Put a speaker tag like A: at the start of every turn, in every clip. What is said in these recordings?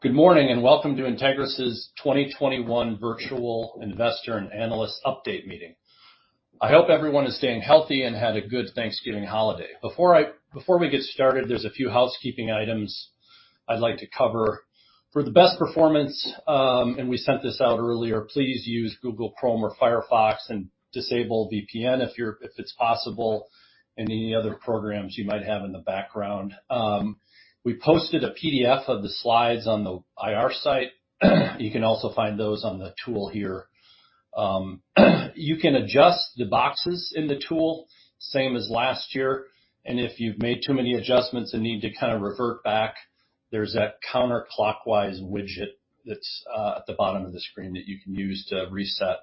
A: Good morning, and welcome to Entegris' 2021 Virtual Investor and Analyst Update Meeting. I hope everyone is staying healthy and had a good Thanksgiving holiday. Before we get started, there's a few housekeeping items I'd like to cover. For the best performance, and we sent this out earlier, please use Google Chrome or Firefox and disable VPN if it's possible, and any other programs you might have in the background. We posted a PDF of the slides on the IR site. You can also find those on the tool here. You can adjust the boxes in the tool, same as last year, and if you've made too many adjustments and need to kind of revert back, there's that counter-clockwise widget that's at the bottom of the screen that you can use to reset.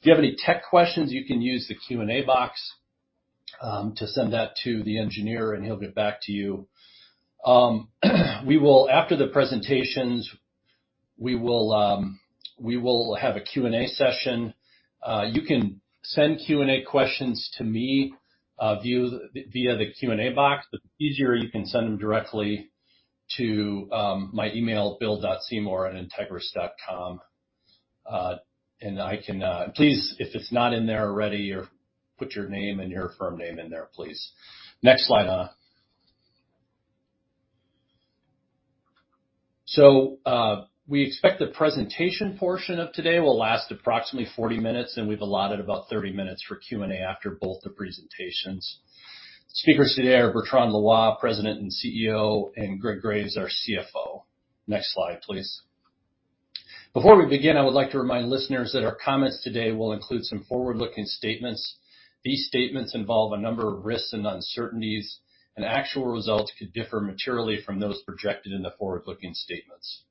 A: If you have any tech questions, you can use the Q&A box to send that to the engineer, and he'll get back to you. After the presentations, we will have a Q&A session. You can send Q&A questions to me via the Q&A box, but easier, you can send them directly to my email, bill.seymour@entegris.com. And I can. Please, if it's not in there already or put your name and your firm name in there, please. Next slide, Anna. We expect the presentation portion of today will last approximately 40 minutes, and we've allotted about 30 minutes for Q&A after both the presentations. Speakers today are Bertrand Loy, President and CEO, and Greg Graves, our CFO. Next slide, please. Before we begin, I would like to remind listeners that our comments today will include some forward-looking statements. These statements involve a number of risks and uncertainties, and actual results could differ materially from those projected in the forward-looking statements.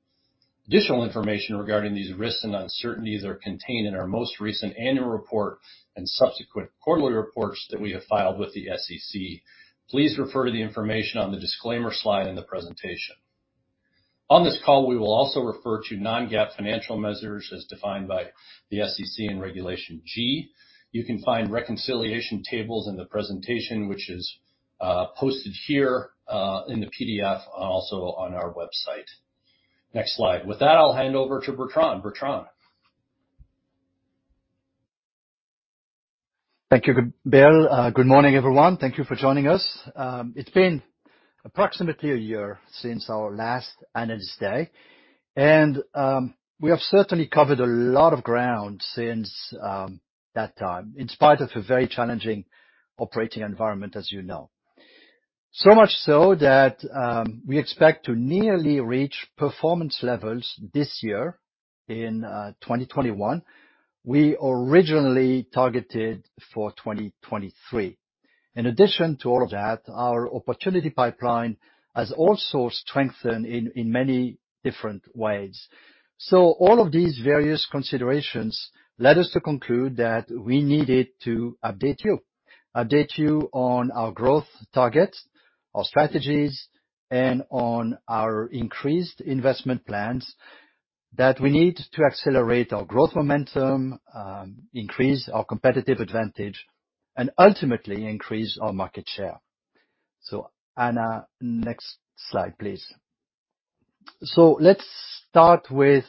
A: Additional information regarding these risks and uncertainties are contained in our most recent annual report and subsequent quarterly reports that we have filed with the SEC. Please refer to the information on the disclaimer slide in the presentation. On this call, we will also refer to non-GAAP financial measures as defined by the SEC and Regulation G. You can find reconciliation tables in the presentation, which is posted here in the PDF and also on our website. Next slide. With that, I'll hand over to Bertrand. Bertrand.
B: Thank you, Bill. Good morning, everyone. Thank you for joining us. It's been approximately a year since our last Analyst Day, and we have certainly covered a lot of ground since that time, in spite of a very challenging operating environment, as you know. Much so that we expect to nearly reach performance levels this year in 2021, we originally targeted for 2023. In addition to all of that, our opportunity pipeline has also strengthened in many different ways. All of these various considerations led us to conclude that we needed to update you on our growth targets, our strategies, and on our increased investment plans that we need to accelerate our growth momentum, increase our competitive advantage and ultimately increase our market share. Anna, next slide, please. Let's start with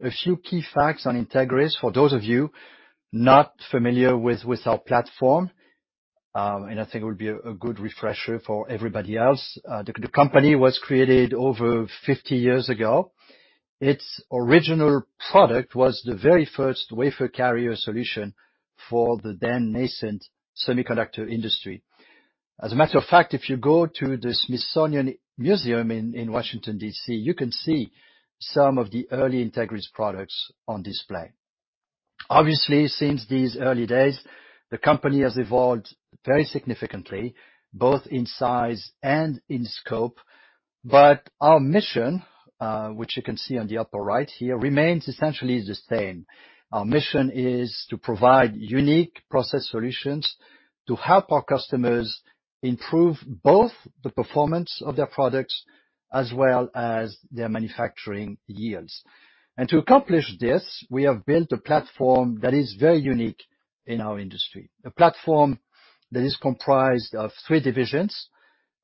B: a few key facts on Entegris. For those of you not familiar with our platform, and I think it would be a good refresher for everybody else. The company was created over 50 years ago. Its original product was the very first wafer carrier solution for the then nascent semiconductor industry. As a matter of fact, if you go to the Smithsonian Museum in Washington, D.C., you can see some of the early Entegris products on display. Obviously, since these early days, the company has evolved very significantly, both in size and in scope. Our mission, which you can see on the upper right here, remains essentially the same. Our mission is to provide unique process solutions to help our customers improve both the performance of their products as well as their manufacturing yields. To accomplish this, we have built a platform that is very unique in our industry. A platform that is comprised of three divisions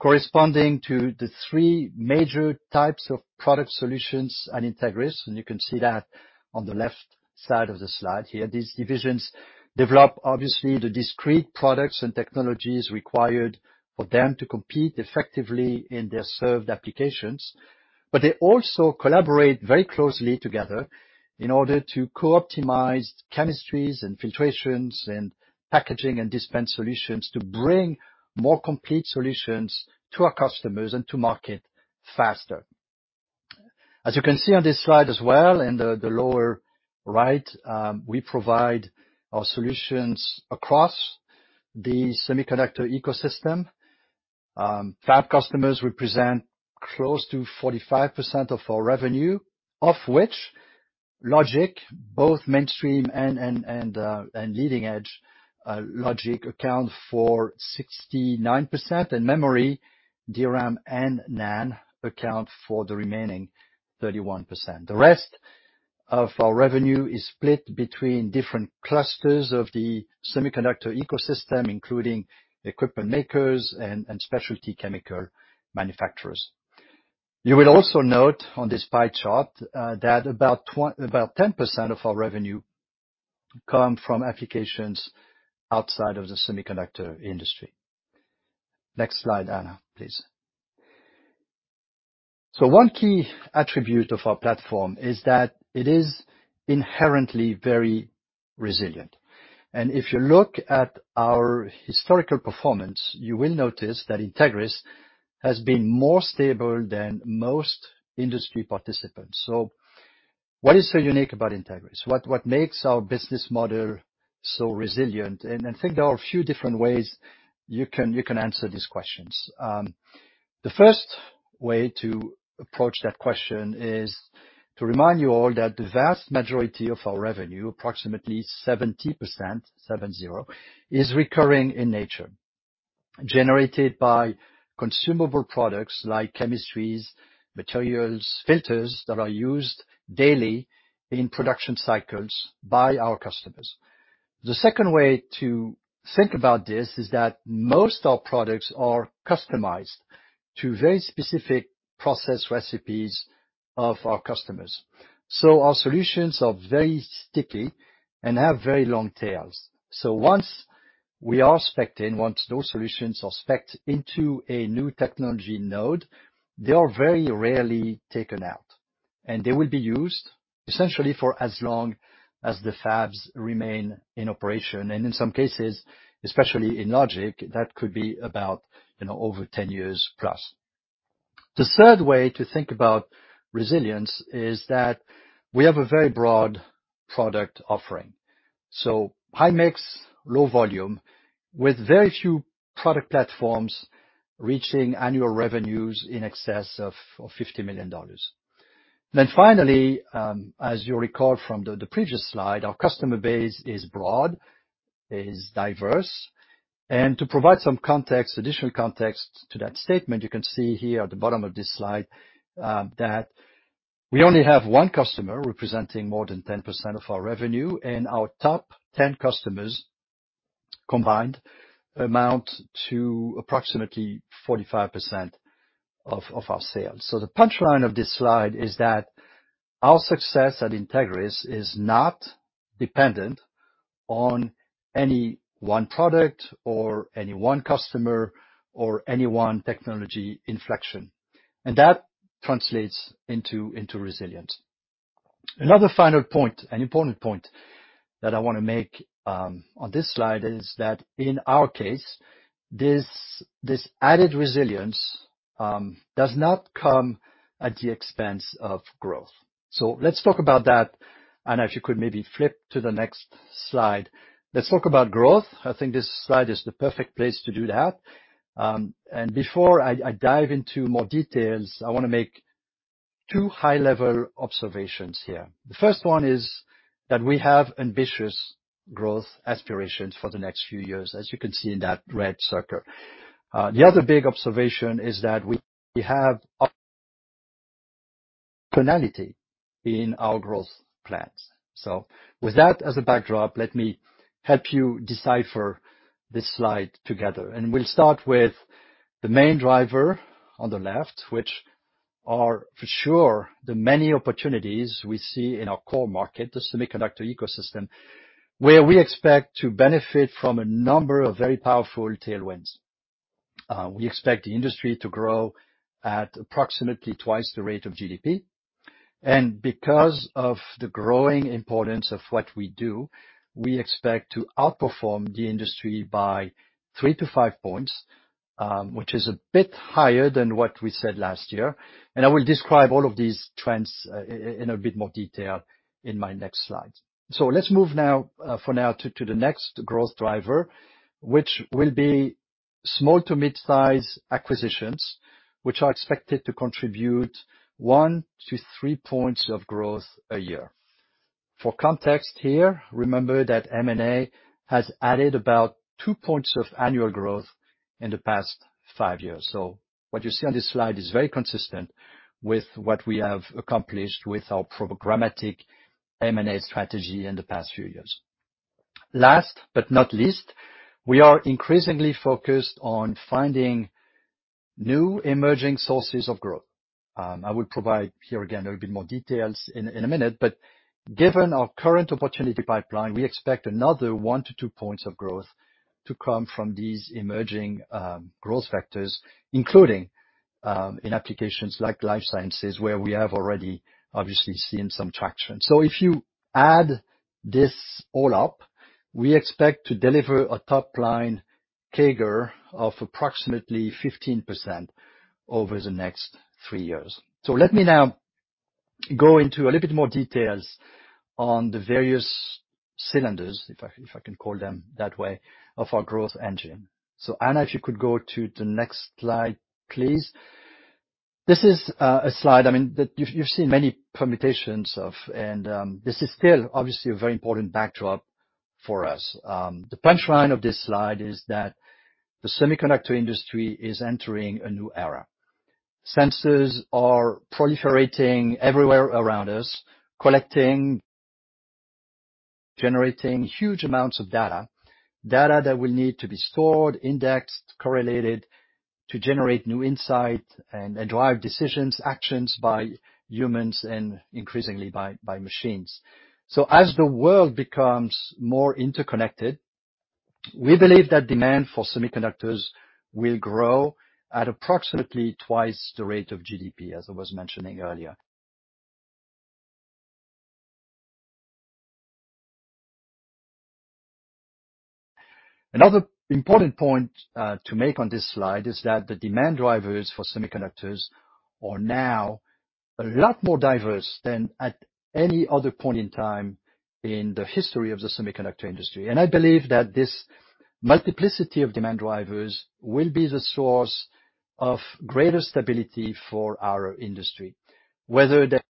B: corresponding to the three major types of product solutions at Entegris, and you can see that on the left side of the slide here. These divisions develop obviously the discrete products and technologies required for them to compete effectively in their served applications. But they also collaborate very closely together in order to co-optimize chemistries, and filtrations, and packaging, and dispense solutions to bring more complete solutions to our customers and to market faster. As you can see on this slide as well in the lower right, we provide our solutions across the semiconductor ecosystem. Fab customers represent close to 45% of our revenue, of which logic, both mainstream and leading-edge, logic account for 69%, and memory DRAM and NAND account for the remaining 31%. The rest of our revenue is split between different clusters of the semiconductor ecosystem, including equipment makers and specialty chemical manufacturers. You will also note on this pie chart that about 10% of our revenue come from applications outside of the semiconductor industry. Next slide, Anna, please. One key attribute of our platform is that it is inherently very resilient. If you look at our historical performance, you will notice that Entegris has been more stable than most industry participants. What is so unique about Entegris? What makes our business model so resilient? I think there are a few different ways you can answer these questions. The first way to approach that question is to remind you all that the vast majority of our revenue, approximately 70%, 70, is recurring in nature, generated by consumable products like chemistries, materials, filters that are used daily in production cycles by our customers. The second way to think about this is that most of our products are customized to very specific process recipes of our customers. Our solutions are very sticky and have very long tails. Once we are specced in, once those solutions are specced into a new technology node, they are very rarely taken out, and they will be used essentially for as long as the fabs remain in operation, and in some cases, especially in logic, that could be about, you know, over 10 years plus. The third way to think about resilience is that we have a very broad product offering. High mix, low volume with very few product platforms reaching annual revenues in excess of $50 million. Then finally, as you recall from the previous slide, our customer base is broad, is diverse. To provide some context, additional context to that statement, you can see here at the bottom of this slide, that we only have one customer representing more than 10% of our revenue, and our top 10 customers combined amount to approximately 45% of our sales. The punchline of this slide is that our success at Entegris is not dependent on any one product or any one customer or any one technology inflection, and that translates into resilience. Another final point, an important point that I want to make, on this slide is that in our case, this added resilience does not come at the expense of growth. Let's talk about that. Anna, if you could maybe flip to the next slide. Let's talk about growth. I think this slide is the perfect place to do that. Before I dive into more details, I want to make two high-level observations here. The first one is that we have ambitious growth aspirations for the next few years, as you can see in that red circle. The other big observation is that we have optionality in our growth plans. With that as a backdrop, let me help you decipher this slide together. We'll start with the main driver on the left, which are for sure the many opportunities we see in our core market, the semiconductor ecosystem, where we expect to benefit from a number of very powerful tailwinds. We expect the industry to grow at approximately twice the rate of GDP. Because of the growing importance of what we do, we expect to outperform the industry by 3%-5%, which is a bit higher than what we said last year. I will describe all of these trends in a bit more detail in my next slide. Let's move now, for now to the next growth driver, which will be small to mid-size acquisitions, which are expected to contribute 1%-3% of growth a year. For context here, remember that M&A has added about 2% of annual growth in the past five years. What you see on this slide is very consistent with what we have accomplished with our programmatic M&A strategy in the past few years. Last but not least, we are increasingly focused on finding new emerging sources of growth. I will provide here again a little bit more details in a minute, but given our current opportunity pipeline, we expect another one-two points of growth to come from these emerging growth factors, including in applications like life sciences, where we have already obviously seen some traction. If you add this all up, we expect to deliver a top-line CAGR of approximately 15% over the next three years. Let me now go into a little bit more details on the various cylinders, if I can call them that way, of our growth engine. Anna, if you could go to the next slide, please. This is a slide, I mean, that you've seen many permutations of, and this is still obviously a very important backdrop for us. The punchline of this slide is that the semiconductor industry is entering a new era. Sensors are proliferating everywhere around us, collecting, generating huge amounts of data. Data that will need to be stored, indexed, correlated, to generate new insight and drive decisions, actions by humans and increasingly by machines. As the world becomes more interconnected, we believe that demand for semiconductors will grow at approximately twice the rate of GDP, as I was mentioning earlier. Another important point to make on this slide is that the demand drivers for semiconductors are now a lot more diverse than at any other point in time in the history of the semiconductor industry. I believe that this multiplicity of demand drivers will be the source of greater stability for our industry. Whether that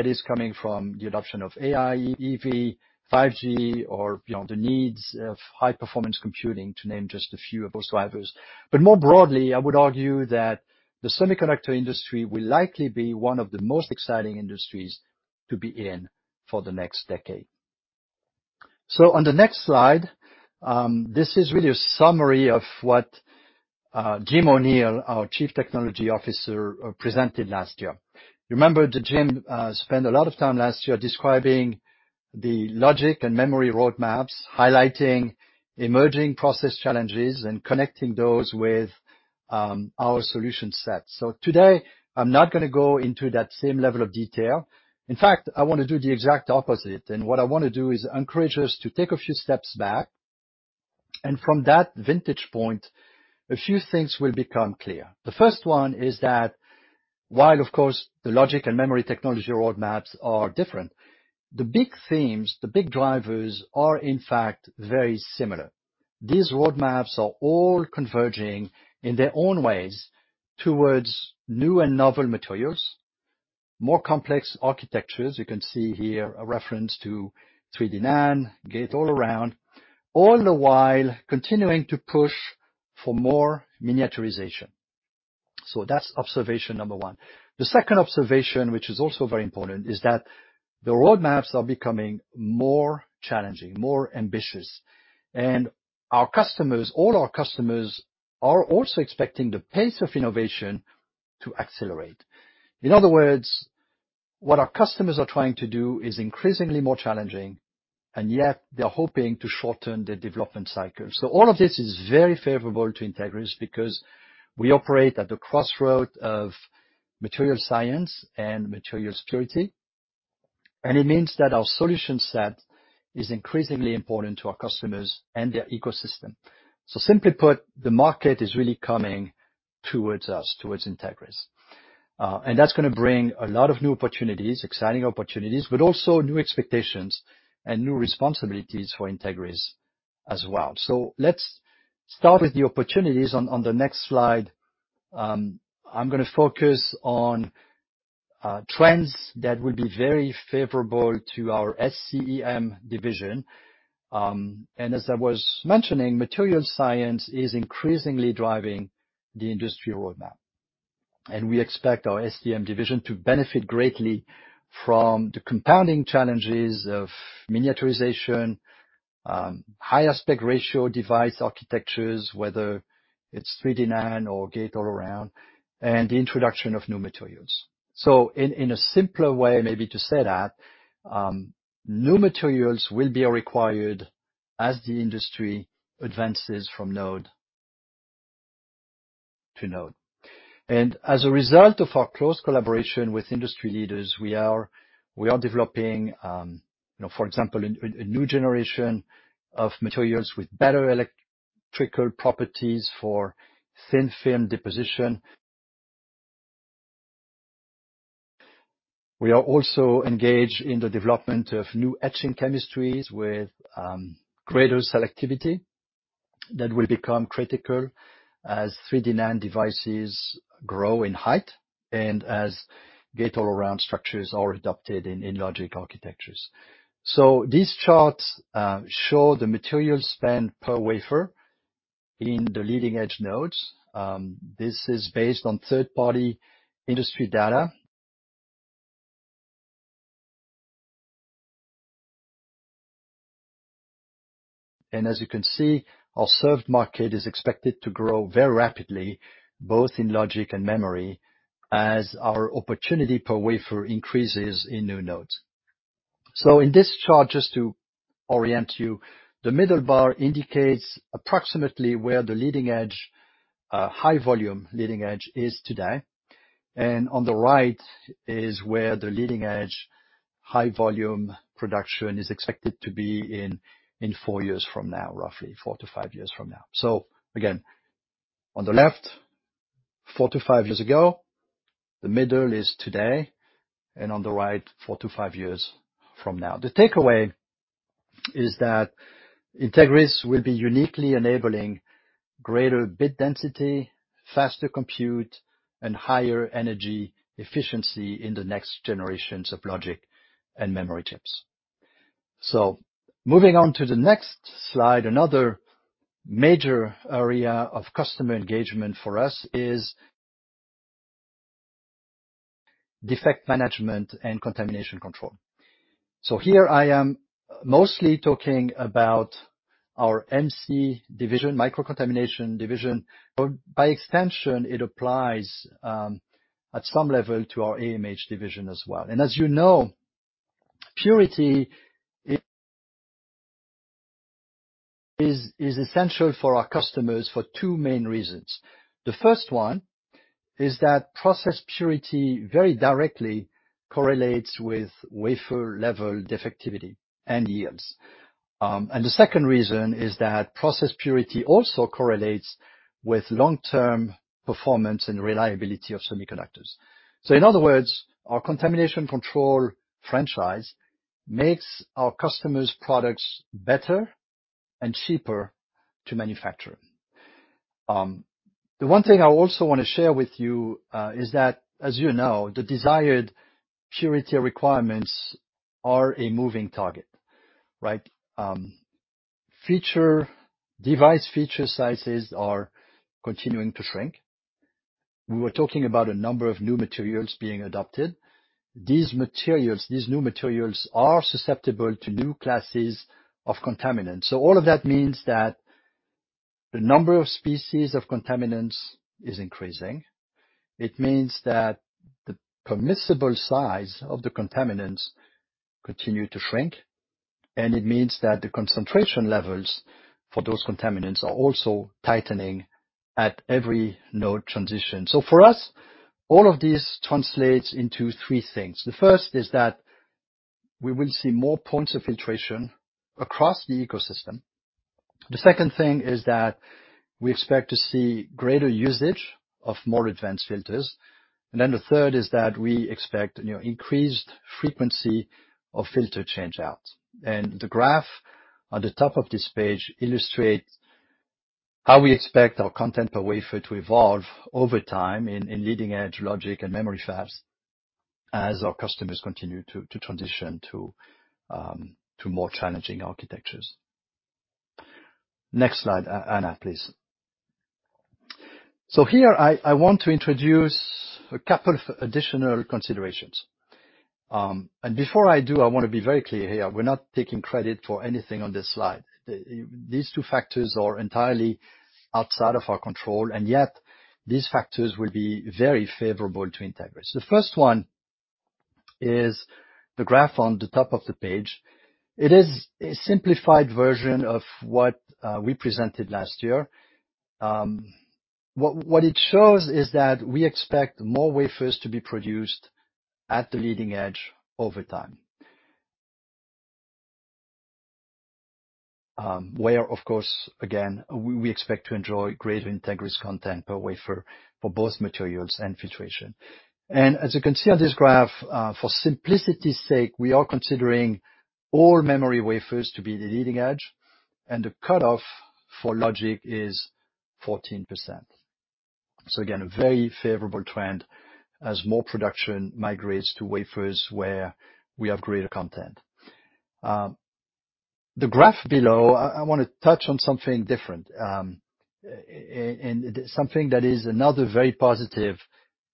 B: is coming from the adoption of AI, EV, 5G or beyond the needs of high-performance computing, to name just a few of those drivers. More broadly, I would argue that the semiconductor industry will likely be one of the most exciting industries to be in for the next decade. On the next slide, this is really a summary of what Jim O'Neill, our Chief Technology Officer, presented last year. You remember that Jim spent a lot of time last year describing the logic and memory roadmaps, highlighting emerging process challenges and connecting those with our solution set. Today I'm not gonna go into that same level of detail. In fact, I want to do the exact opposite. What I want to do is encourage us to take a few steps back, and from that vantage point, a few things will become clear. The first one is that while of course, the logic and memory technology roadmaps are different, the big themes, the big drivers are in fact very similar. These roadmaps are all converging in their own ways towards new and novel materials, more complex architectures. You can see here a reference to 3D NAND, Gate-All-Around, all the while continuing to push for more miniaturization. That's observation number one. The second observation, which is also very important, is that the roadmaps are becoming more challenging, more ambitious, and our customers, all our customers, are also expecting the pace of innovation to accelerate. In other words, what our customers are trying to do is increasingly more challenging, and yet they are hoping to shorten the development cycle. All of this is very favorable to Entegris because we operate at the crossroad of material science and material security, and it means that our solution set is increasingly important to our customers and their ecosystem. Simply put, the market is really coming towards us, towards Entegris. And that's gonna bring a lot of new opportunities, exciting opportunities, but also new expectations and new responsibilities for Entegris as well. Let's start with the opportunities on the next slide. I'm gonna focus on trends that will be very favorable to our SCEM division. And as I was mentioning, material science is increasingly driving the industry roadmap, and we expect our SCEM division to benefit greatly from the compounding challenges of miniaturization, high aspect ratio device architectures, whether it's 3D NAND or Gate-All-Around, and the introduction of new materials. In a simpler way, maybe to say that new materials will be required as the industry advances from node to node. As a result of our close collaboration with industry leaders, we are developing, for example, a new generation of materials with better electrical properties for thin film deposition. We are also engaged in the development of new etching chemistries with greater selectivity that will become critical as 3D NAND devices grow in height and as Gate-All-Around structures are adopted in logic architectures. These charts show the material spend per wafer in the leading edge nodes. This is based on third-party industry data. As you can see, our served market is expected to grow very rapidly, both in logic and memory, as our opportunity per wafer increases in new nodes. In this chart, just to orient you, the middle bar indicates approximately where the leading edge, high volume leading edge is today, and on the right is where the leading edge high volume production is expected to be in four years from now, roughly four to five years from now. Again, on the left, four to five years ago, the middle is today, and on the right, four to five years from now. The takeaway is that Entegris will be uniquely enabling greater bit density, faster compute, and higher energy efficiency in the next generations of logic and memory chips. Moving on to the next slide, another major area of customer engagement for us is defect management and contamination control. Here I am mostly talking about our MC division, microcontamination division. By extension, it applies at some level to our AMH division as well. As you know, purity is essential for our customers for two main reasons. The first one is that process purity very directly correlates with wafer-level defectivity and yields. The second reason is that process purity also correlates with long-term performance and reliability of semiconductors. In other words, our contamination control franchise makes our customers' products better and cheaper to manufacture. The one thing I also want to share with you is that, as you know, the desired purity requirements are a moving target, right? Device feature sizes are continuing to shrink. We were talking about a number of new materials being adopted. These new materials are susceptible to new classes of contaminants. All of that means that the number of species of contaminants is increasing. It means that the permissible size of the contaminants continue to shrink, and it means that the concentration levels for those contaminants are also tightening at every node transition. For us, all of this translates into three things. The first is that we will see more points of filtration across the ecosystem. The second thing is that we expect to see greater usage of more advanced filters. Then the third is that we expect, you know, increased frequency of filter change out. The graph on the top of this page illustrates how we expect our content per wafer to evolve over time in leading-edge logic and memory fabs, as our customers continue to transition to more challenging architectures. Next slide, Anna, please. Here I want to introduce a couple of additional considerations. Before I do, I want to be very clear here. We're not taking credit for anything on this slide. These two factors are entirely outside of our control, and yet these factors will be very favorable to Entegris. The first one is the graph on the top of the page. It is a simplified version of what we presented last year. What it shows is that we expect more wafers to be produced at the leading edge over time. Where, of course, again, we expect to enjoy greater Entegris content per wafer for both materials and filtration. As you can see on this graph, for simplicity's sake, we are considering all memory wafers to be the leading edge, and the cutoff for logic is 14%. Again, a very favorable trend as more production migrates to wafers where we have greater content. The graph below, I want to touch on something different, and something that is another very positive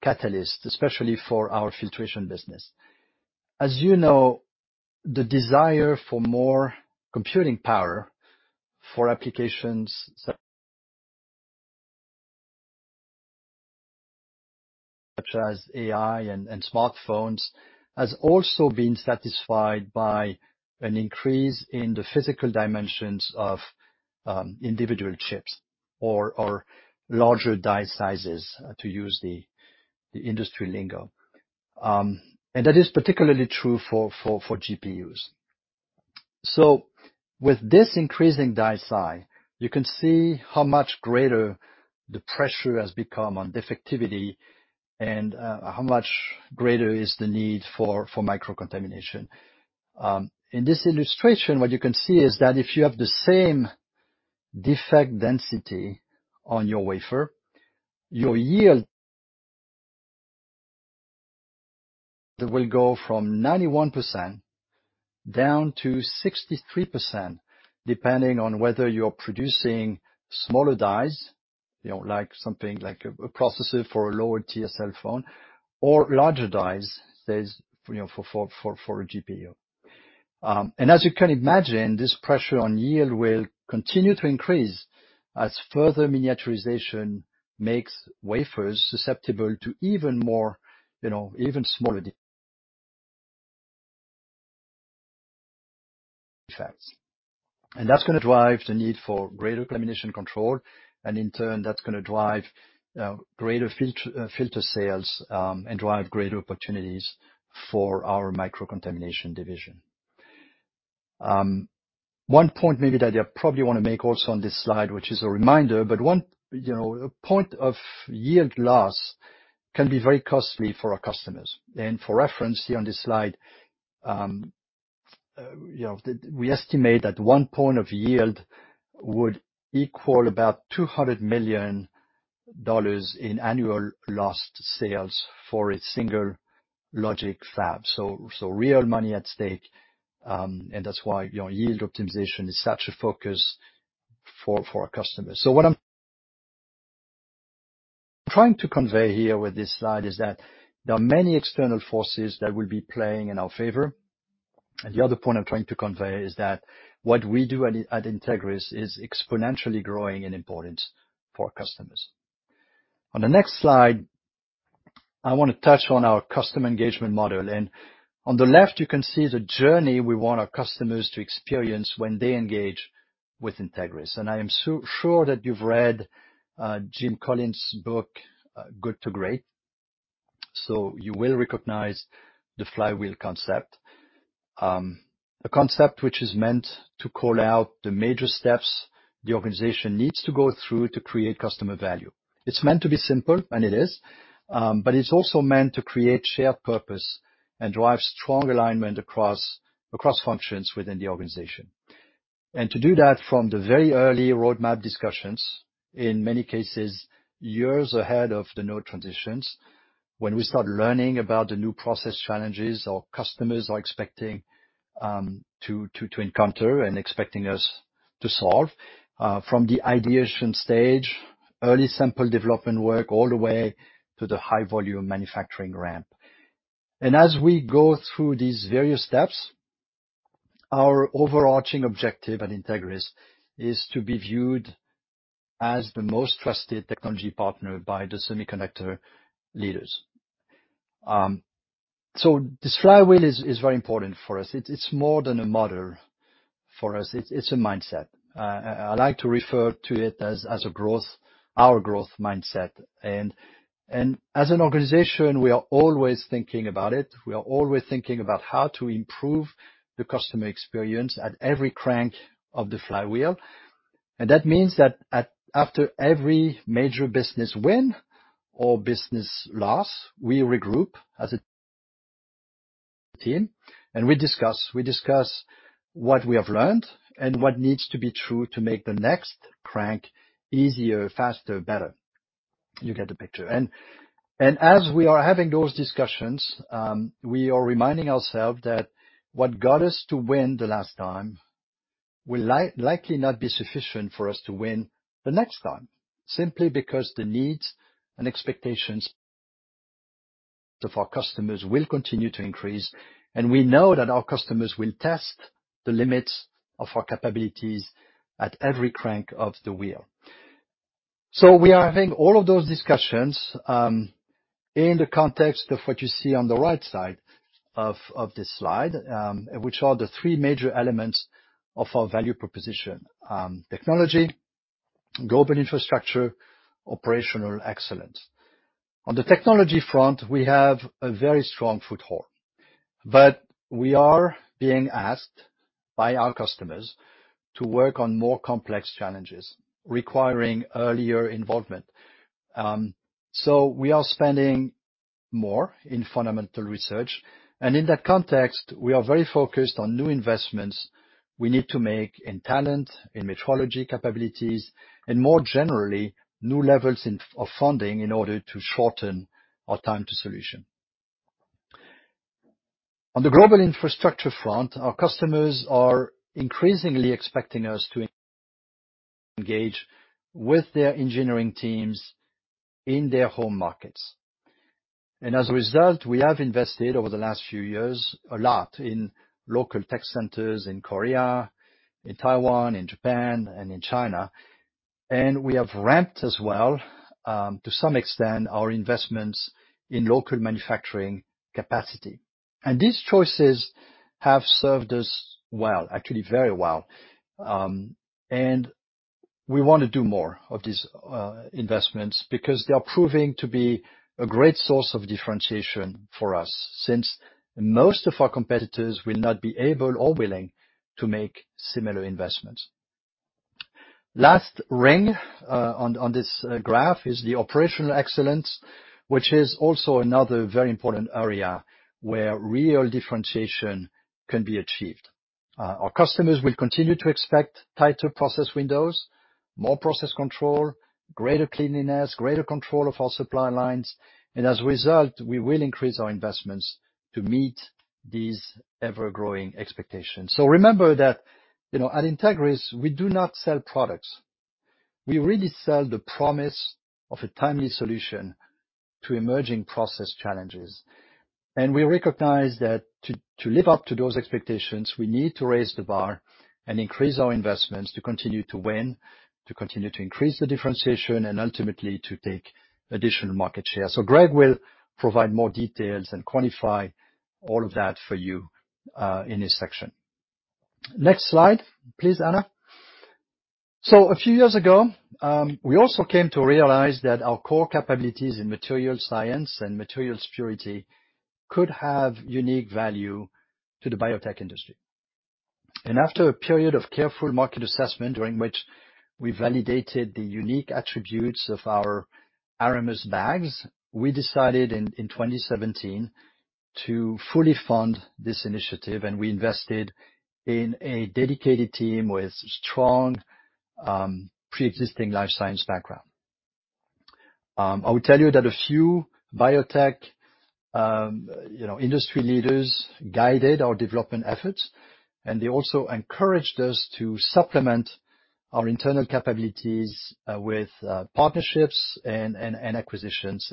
B: catalyst, especially for our filtration business. As you know, the desire for more computing power for applications such as AI and smartphones has also been satisfied by an increase in the physical dimensions of individual chips or larger die sizes, to use the industry lingo. That is particularly true for GPUs. With this increasing die size, you can see how much greater the pressure has become on defectivity and how much greater is the need for microcontamination. In this illustration, what you can see is that if you have the same defect density on your wafer, your yield will go from 91% down to 63%, depending on whether you're producing smaller dies, you know, like something like a processor for a lower-tier cell phone or larger dies, say, you know, for a GPU. As you can imagine, this pressure on yield will continue to increase as further miniaturization makes wafers susceptible to even more, you know, even smaller defects. That's gonna drive the need for greater contamination control, and in turn, that's gonna drive greater filter sales and drive greater opportunities for our microcontamination division. One point maybe that I probably want to make also on this slide, which is a reminder, but one, you know, a point of yield loss can be very costly for our customers. For reference, here on this slide, you know, we estimate that one point of yield would equal about $200 million in annual lost sales for a single logic fab. So real money at stake, and that's why, you know, yield optimization is such a focus for our customers. What I'm trying to convey here with this slide is that there are many external forces that will be playing in our favor. The other point I'm trying to convey is that what we do at Entegris is exponentially growing in importance for our customers. On the next slide, I want to touch on our customer engagement model. On the left, you can see the journey we want our customers to experience when they engage with Entegris. I am sure that you've read Jim Collins' book Good to Great, so you will recognize the flywheel concept. A concept which is meant to call out the major steps the organization needs to go through to create customer value. It's meant to be simple, and it is, but it's also meant to create shared purpose and drive strong alignment across functions within the organization. To do that from the very early roadmap discussions, in many cases, years ahead of the node transitions, when we start learning about the new process challenges our customers are expecting to encounter and expecting us to solve, from the ideation stage, early sample development work all the way to the high volume manufacturing ramp. As we go through these various steps, our overarching objective at Entegris is to be viewed as the most trusted technology partner by the semiconductor leaders. This flywheel is very important for us. It's more than a model for us. It's a mindset. I like to refer to it as our growth mindset. As an organization, we are always thinking about it. We are always thinking about how to improve the customer experience at every crank of the flywheel. That means that after every major business win or business loss, we regroup as a team, and we discuss. We discuss what we have learned and what needs to be true to make the next crank easier, faster, better. You get the picture. As we are having those discussions, we are reminding ourselves that what got us to win the last time will likely not be sufficient for us to win the next time, simply because the needs and expectations of our customers will continue to increase, and we know that our customers will test the limits of our capabilities at every crank of the wheel. We are having all of those discussions in the context of what you see on the right side of this slide, which are the three major elements of our value proposition: technology, global infrastructure, operational excellence. On the technology front, we have a very strong foothold, but we are being asked by our customers to work on more complex challenges requiring earlier involvement. We are spending more in fundamental research, and in that context, we are very focused on new investments we need to make in talent, in metrology capabilities, and more generally, new levels of funding in order to shorten our time to solution. On the global infrastructure front, our customers are increasingly expecting us to engage with their engineering teams in their home markets. As a result, we have invested over the last few years a lot in local tech centers in Korea, in Taiwan, in Japan, and in China. We have ramped as well, to some extent, our investments in local manufacturing capacity. These choices have served us well, actually very well. We want to do more of these investments because they are proving to be a great source of differentiation for us since most of our competitors will not be able or willing to make similar investments. Last ring on this graph is the operational excellence, which is also another very important area where real differentiation can be achieved. Our customers will continue to expect tighter process windows, more process control, greater cleanliness, greater control of our supply lines, and as a result, we will increase our investments to meet these ever-growing expectations. Remember that, you know, at Entegris, we do not sell products. We really sell the promise of a timely solution to emerging process challenges. We recognize that to live up to those expectations, we need to raise the bar and increase our investments to continue to win, to continue to increase the differentiation, and ultimately to take additional market share. Greg will provide more details and quantify all of that for you in this section. Next slide, please, Anna. A few years ago, we also came to realize that our core capabilities in material science and material security could have unique value to the biotech industry. After a period of careful market assessment during which we validated the unique attributes of our Aramus bags, we decided in 2017 to fully fund this initiative, and we invested in a dedicated team with strong preexisting life science background. I will tell you that a few biotech industry leaders guided our development efforts, and they also encouraged us to supplement our internal capabilities with partnerships and acquisitions.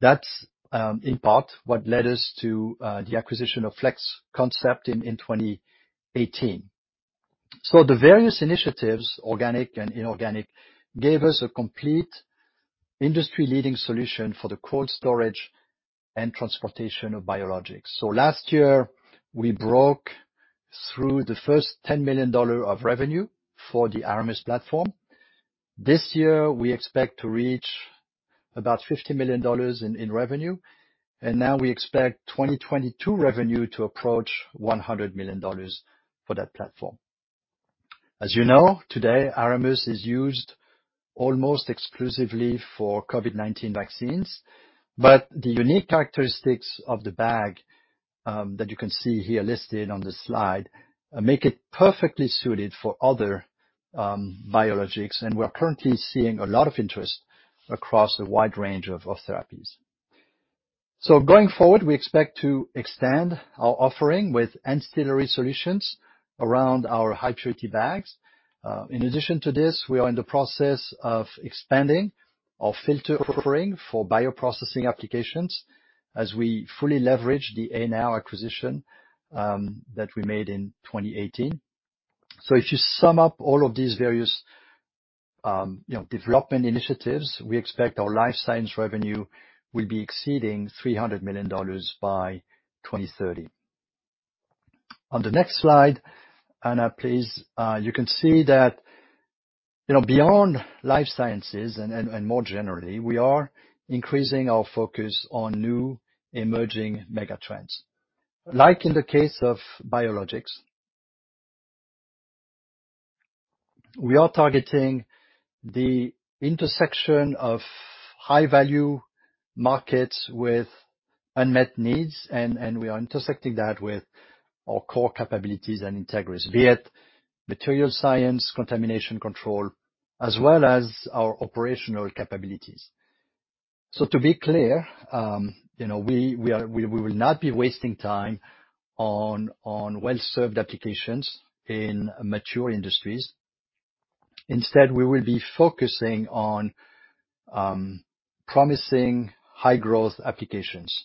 B: That's in part what led us to the acquisition of Flex Concepts in 2018. The various initiatives, organic and inorganic, gave us a complete industry-leading solution for the cold storage and transportation of biologics. Last year, we broke through the first $10 million of revenue for the Aramus platform. This year, we expect to reach about $50 million in revenue, and now we expect 2022 revenue to approach $100 million for that platform. As you know, today Aramus is used almost exclusively for COVID-19 vaccines, but the unique characteristics of the bag that you can see here listed on the slide make it perfectly suited for other biologics, and we're currently seeing a lot of interest across a wide range of therapies. Going forward, we expect to extend our offering with ancillary solutions around our high purity bags. In addition to this, we are in the process of expanding our filter offering for bioprocessing applications as we fully leverage the Anow acquisition that we made in 2018. If you sum up all of these various, you know, development initiatives, we expect our life science revenue will be exceeding $300 million by 2030. On the next slide, Anna, please, you can see that, you know, beyond life sciences and more generally, we are increasing our focus on new emerging mega trends. Like in the case of biologics, we are targeting the intersection of high-value markets with unmet needs, and we are intersecting that with our core capabilities and Entegris, be it material science, contamination control, as well as our operational capabilities. To be clear, you know, we will not be wasting time on well-served applications in mature industries. Instead, we will be focusing on promising high growth applications,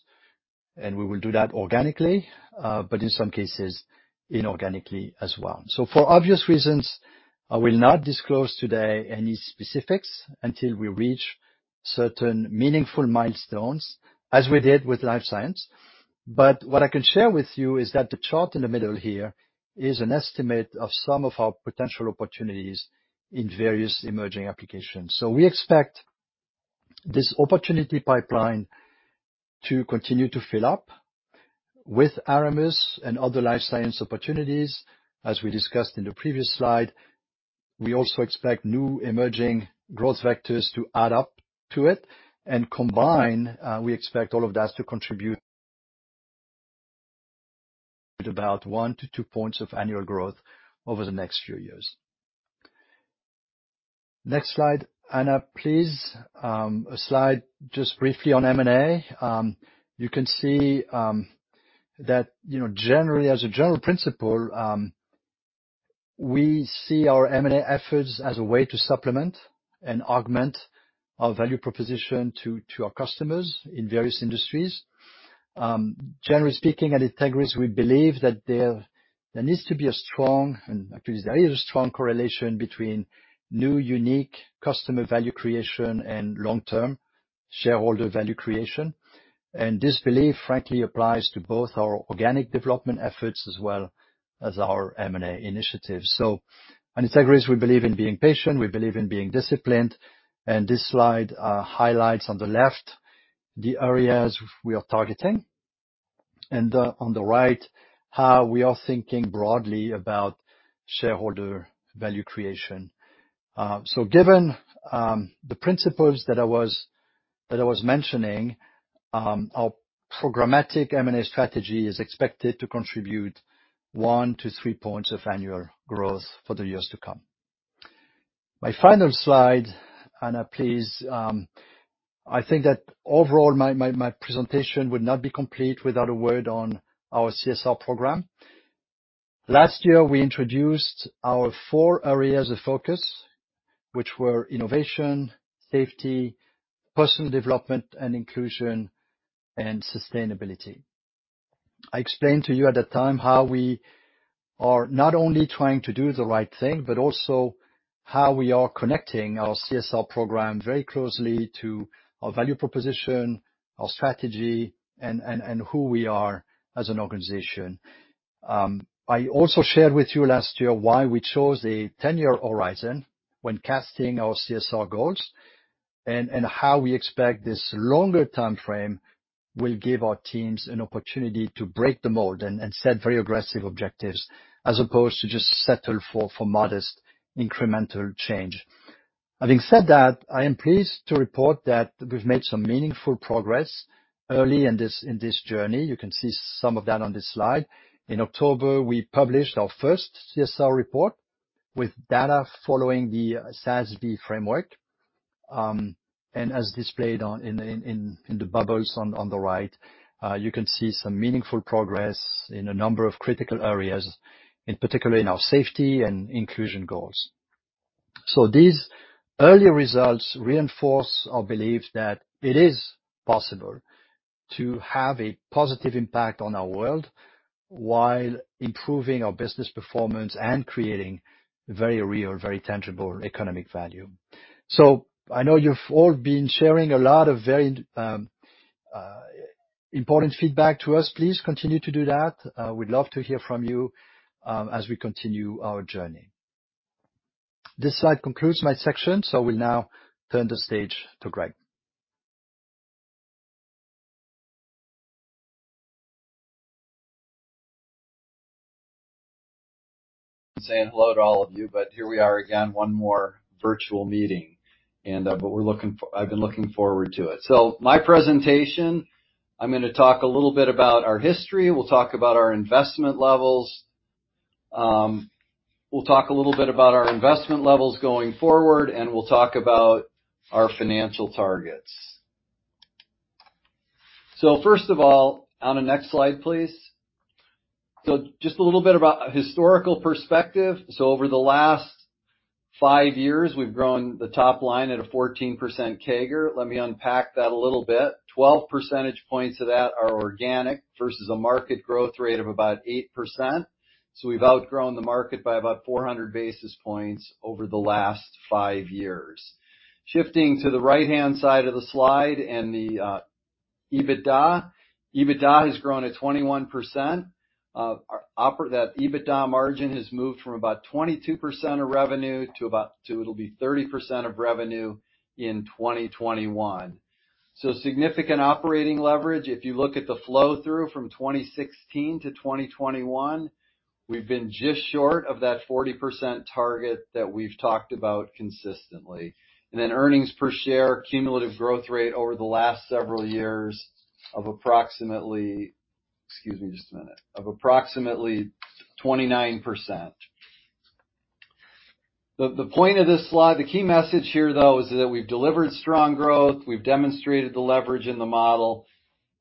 B: and we will do that organically, but in some cases inorganically as well. For obvious reasons, I will not disclose today any specifics until we reach certain meaningful milestones, as we did with life science. What I can share with you is that the chart in the middle here is an estimate of some of our potential opportunities in various emerging applications. We expect this opportunity pipeline to continue to fill up with Aramus and other life science opportunities. As we discussed in the previous slide, we also expect new emerging growth vectors to add up to it and combine. We expect all of that to contribute about one to two points of annual growth over the next few years. Next slide, Anna, please. A slide just briefly on M&A. You can see that, you know, generally, as a general principle, we see our M&A efforts as a way to supplement and augment our value proposition to our customers in various industries. Generally speaking, at Entegris, we believe that there needs to be a strong, and actually there is a strong correlation between new unique customer value creation and long-term shareholder value creation. This belief, frankly applies to both our organic development efforts as well as our M&A initiatives. At Entegris we believe in being patient, we believe in being disciplined, and this slide highlights on the left the areas we are targeting, and on the right, how we are thinking broadly about shareholder value creation. Given the principles that I was mentioning, our programmatic M&A strategy is expected to contribute 1-3 points of annual growth for the years to come. My final slide, Anna, please. I think that overall my presentation would not be complete without a word on our CSR program. Last year, we introduced our four areas of focus, which were innovation, safety, personal development and inclusion, and sustainability. I explained to you at the time how we are not only trying to do the right thing, but also how we are connecting our CSR program very closely to our value proposition, our strategy, and who we are as an organization. I also shared with you last year why we chose a 10-year horizon when casting our CSR goals, and how we expect this longer timeframe will give our teams an opportunity to break the mold and set very aggressive objectives as opposed to just settle for modest incremental change. Having said that, I am pleased to report that we've made some meaningful progress early in this journey. You can see some of that on this slide. In October, we published our first CSR report with data following the SASB framework. As displayed in the bubbles on the right, you can see some meaningful progress in a number of critical areas, in particular in our safety and inclusion goals. These early results reinforce our belief that it is possible to have a positive impact on our world while improving our business performance and creating very real, very tangible economic value. I know you've all been sharing a lot of very important feedback to us. Please continue to do that. We'd love to hear from you as we continue our journey. This slide concludes my section, so I will now turn the stage to Greg.
C: Saying hello to all of you, but here we are again, one more virtual meeting. I've been looking forward to it. My presentation, I'm gonna talk a little bit about our history. We'll talk about our investment levels. We'll talk a little bit about our investment levels going forward, and we'll talk about our financial targets. First of all, on the next slide, please. Just a little bit about historical perspective. Over the last five years, we've grown the top line at a 14% CAGR. Let me unpack that a little bit. 12 percentage points of that are organic versus a market growth rate of about 8%. We've outgrown the market by about 400 basis points over the last five years. Shifting to the right-hand side of the slide and the EBITDA. EBITDA has grown at 21%. Our operating EBITDA margin has moved from about 22% of revenue to it'll be 30% of revenue in 2021. Significant operating leverage. If you look at the flow-through from 2016 to 2021, we've been just short of that 40% target that we've talked about consistently. Earnings per share cumulative growth rate over the last several years of approximately 29%. The point of this slide, the key message here, though, is that we've delivered strong growth, we've demonstrated the leverage in the model,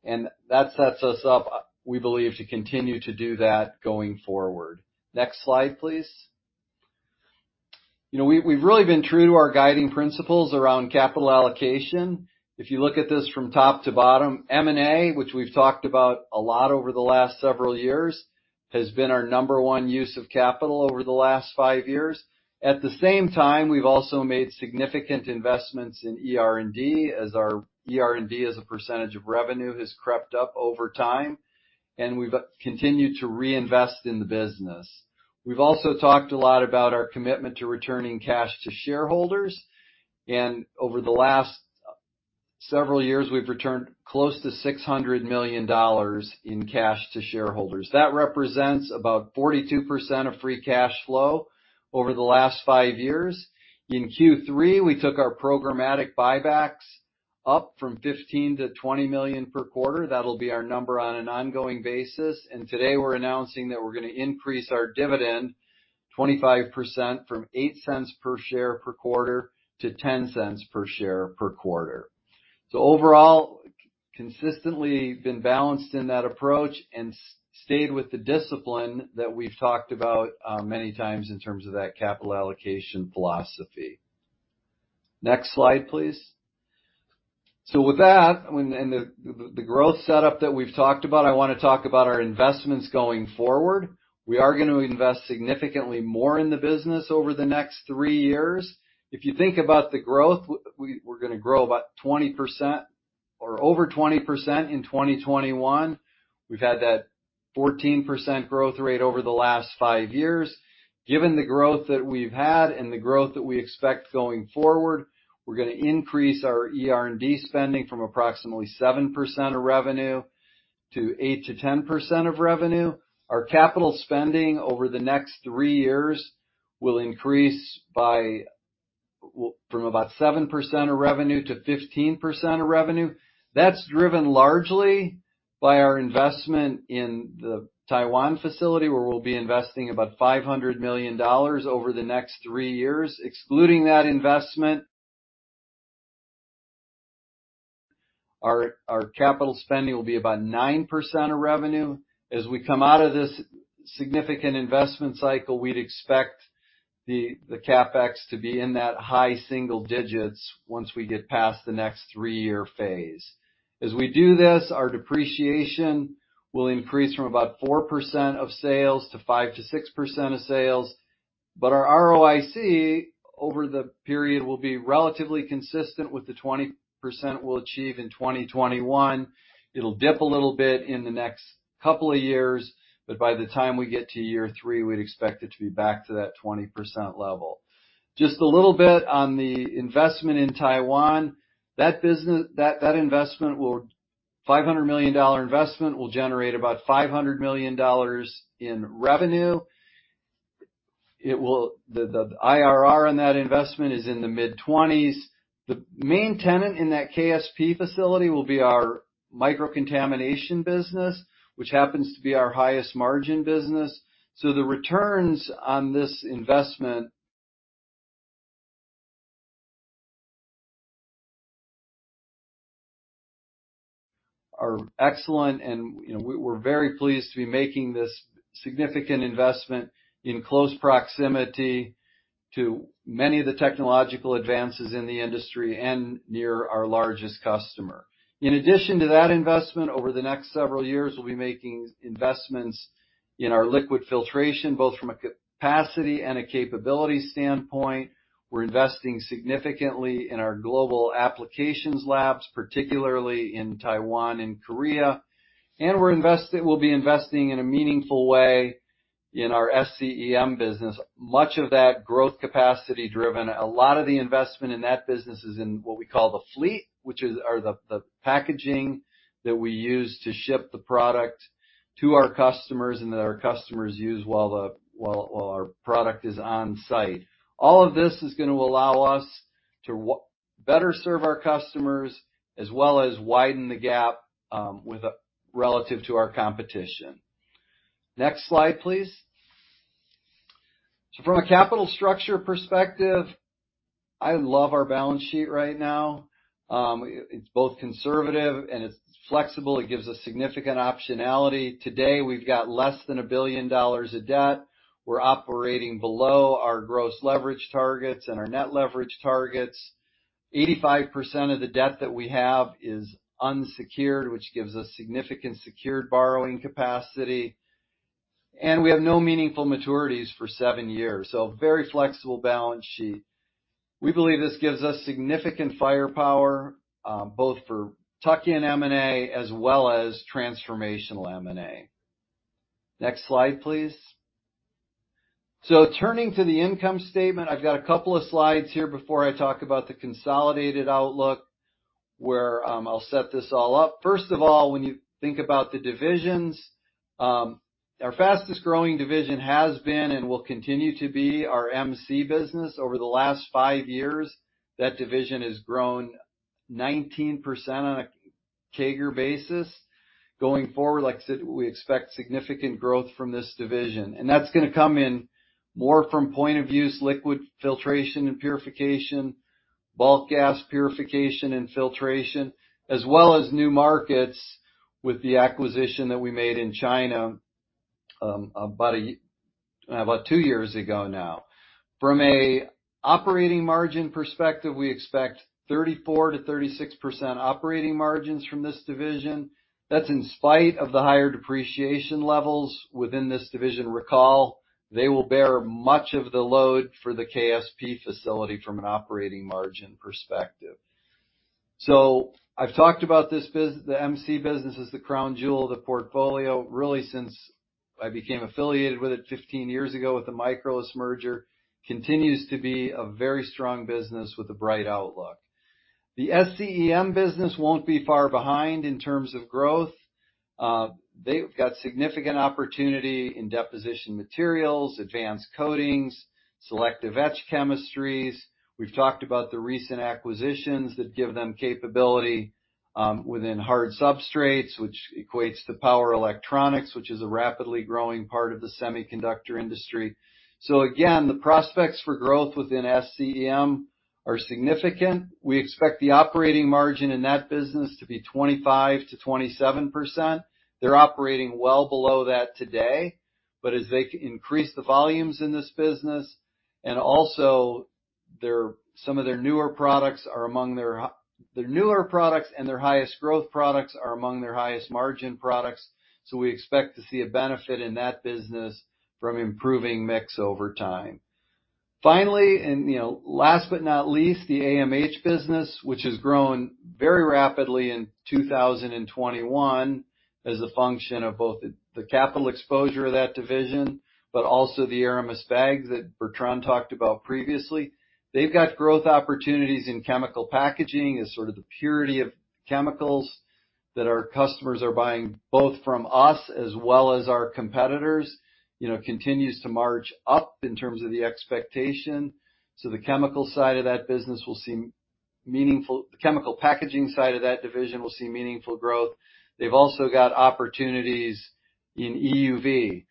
C: and that sets us up, we believe, to continue to do that going forward. Next slide, please. You know, we've really been true to our guiding principles around capital allocation. If you look at this from top to bottom, M&A, which we've talked about a lot over the last several years, has been our number one use of capital over the last five years. At the same time, we've also made significant investments in ER&D, as our ER&D as a percentage of revenue has crept up over time, and we've continued to reinvest in the business. We've also talked a lot about our commitment to returning cash to shareholders, and over the last several years, we've returned close to $600 million in cash to shareholders. That represents about 42% of free cash flow over the last five years. In Q3, we took our programmatic buybacks up from $15 million-$20 million per quarter. That'll be our number on an ongoing basis. Today, we're announcing that we're gonna increase our dividend 25% from $0.08 per share per quarter to $0.10 per share per quarter. Overall, consistently been balanced in that approach and stayed with the discipline that we've talked about, many times in terms of that capital allocation philosophy. Next slide, please. With that, the growth setup that we've talked about, I want to talk about our investments going forward. We are gonna invest significantly more in the business over the next three years. If you think about the growth, we're gonna grow about 20% or over 20% in 2021. We've had that 14 nanometer growth rate over the last five years. Given the growth that we've had and the growth that we expect going forward, we're gonna increase our ER&D spending from approximately 7% of revenue to 8%-10% of revenue. Our capital spending over the next three years will increase from about 7% of revenue to 15% of revenue. That's driven largely by our investment in the Taiwan facility, where we'll be investing about $500 million over the next three years. Excluding that investment, our capital spending will be about 9% of revenue. As we come out of this significant investment cycle, we'd expect the CapEx to be in that high single digits once we get past the next three-year phase. As we do this, our depreciation will increase from about 4% of sales to 5%-6% of sales. Our ROIC over the period will be relatively consistent with the 20% we'll achieve in 2021. It'll dip a little bit in the next couple of years, but by the time we get to year three, we'd expect it to be back to that 20% level. Just a little bit on the investment in Taiwan. That $500 million investment will generate about $500 million in revenue. The IRR on that investment is in the mid-20s. The main tenant in that KSP facility will be our micro contamination business, which happens to be our highest margin business. The returns on this investment are excellent and, you know, we're very pleased to be making this significant investment in close proximity to many of the technological advances in the industry and near our largest customer. In addition to that investment, over the next several years, we'll be making investments in our liquid filtration, both from a capacity and a capability standpoint. We're investing significantly in our global applications labs, particularly in Taiwan and Korea. We'll be investing in a meaningful way in our SCEM business. Much of that growth capacity driven. A lot of the investment in that business is in what we call the fleet, which is or the packaging that we use to ship the product to our customers and that our customers use while our product is on site. All of this is gonna allow us to better serve our customers as well as widen the gap relative to our competition. Next slide, please. From a capital structure perspective, I love our balance sheet right now. It's both conservative and it's flexible. It gives us significant optionality. Today, we've got less than $1 billion of debt. We're operating below our gross leverage targets and our net leverage targets. 85% of the debt that we have is unsecured, which gives us significant secured borrowing capacity. We have no meaningful maturities for seven years, so very flexible balance sheet. We believe this gives us significant firepower, both for tuck-in M&A as well as transformational M&A. Next slide, please. Turning to the income statement, I've got a couple of slides here before I talk about the consolidated outlook where, I'll set this all up. First of all, when you think about the divisions, our fastest-growing division has been and will continue to be our MC business. Over the last five years, that division has grown 19% on a CAGR basis. Going forward, like I said, we expect significant growth from this division. That's gonna come in more from the point of view of liquid filtration and purification, bulk gas purification and filtration, as well as new markets with the acquisition that we made in China, about two years ago now. From an operating margin perspective, we expect 34%-36% operating margins from this division. That's in spite of the higher depreciation levels within this division. Recall, they will bear much of the load for the KSP facility from an operating margin perspective. I've talked about the MC business as the crown jewel of the portfolio, really since I became affiliated with it 15 years ago with the Mykrolis merger. It continues to be a very strong business with a bright outlook. The SCEM business won't be far behind in terms of growth. They've got significant opportunity in deposition materials, advanced coatings, selective etch chemistries. We've talked about the recent acquisitions that give them capability within hard substrates, which equates to power electronics, which is a rapidly growing part of the semiconductor industry. Again, the prospects for growth within SCEM are significant. We expect the operating margin in that business to be 25%-27%. They're operating well below that today, but as they increase the volumes in this business, and also some of their newer products are among their newer products and their highest growth products are among their highest margin products. We expect to see a benefit in that business from improving mix over time. Finally, you know, last but not least, the AMH business, which has grown very rapidly in 2021 as a function of both the capital exposure of that division, but also the Aramus bag that Bertrand talked about previously. They've got growth opportunities in chemical packaging as sort of the purity of chemicals that our customers are buying both from us as well as our competitors. You know, continues to march up in terms of the expectation. The chemical packaging side of that division will see meaningful growth. They've also got opportunities in EUV.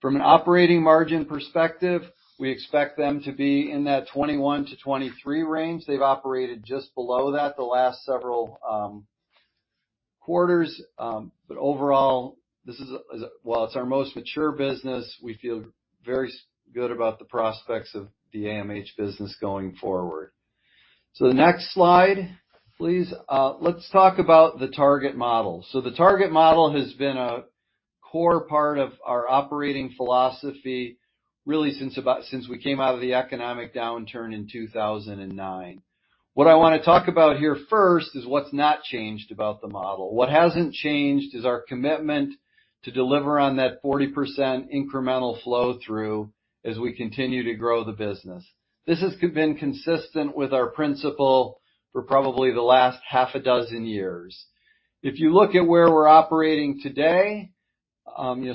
C: From an operating margin perspective, we expect them to be in that 21%-23% range. They've operated just below that the last several quarters. Overall, this is while it's our most mature business, we feel very good about the prospects of the AMH business going forward. The next slide, please. Let's talk about the target model. The target model has been a core part of our operating philosophy really since we came out of the economic downturn in 2009. What I want to talk about here first is what's not changed about the model. What hasn't changed is our commitment to deliver on that 40% incremental flow through as we continue to grow the business. This has been consistent with our principle for probably the last half a dozen years. If you look at where we're operating today,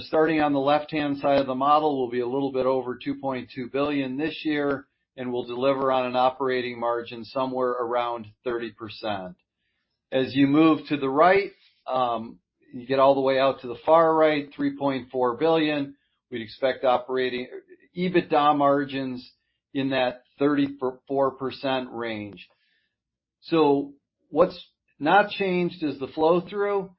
C: starting on the left-hand side of the model, we'll be a little bit over $2.2 billion this year, and we'll deliver on an operating margin somewhere around 30%. As you move to the right, you get all the way out to the far right, $3.4 billion. We'd expect operating EBITDA margins in that 34% range. What's not changed is the flow-through.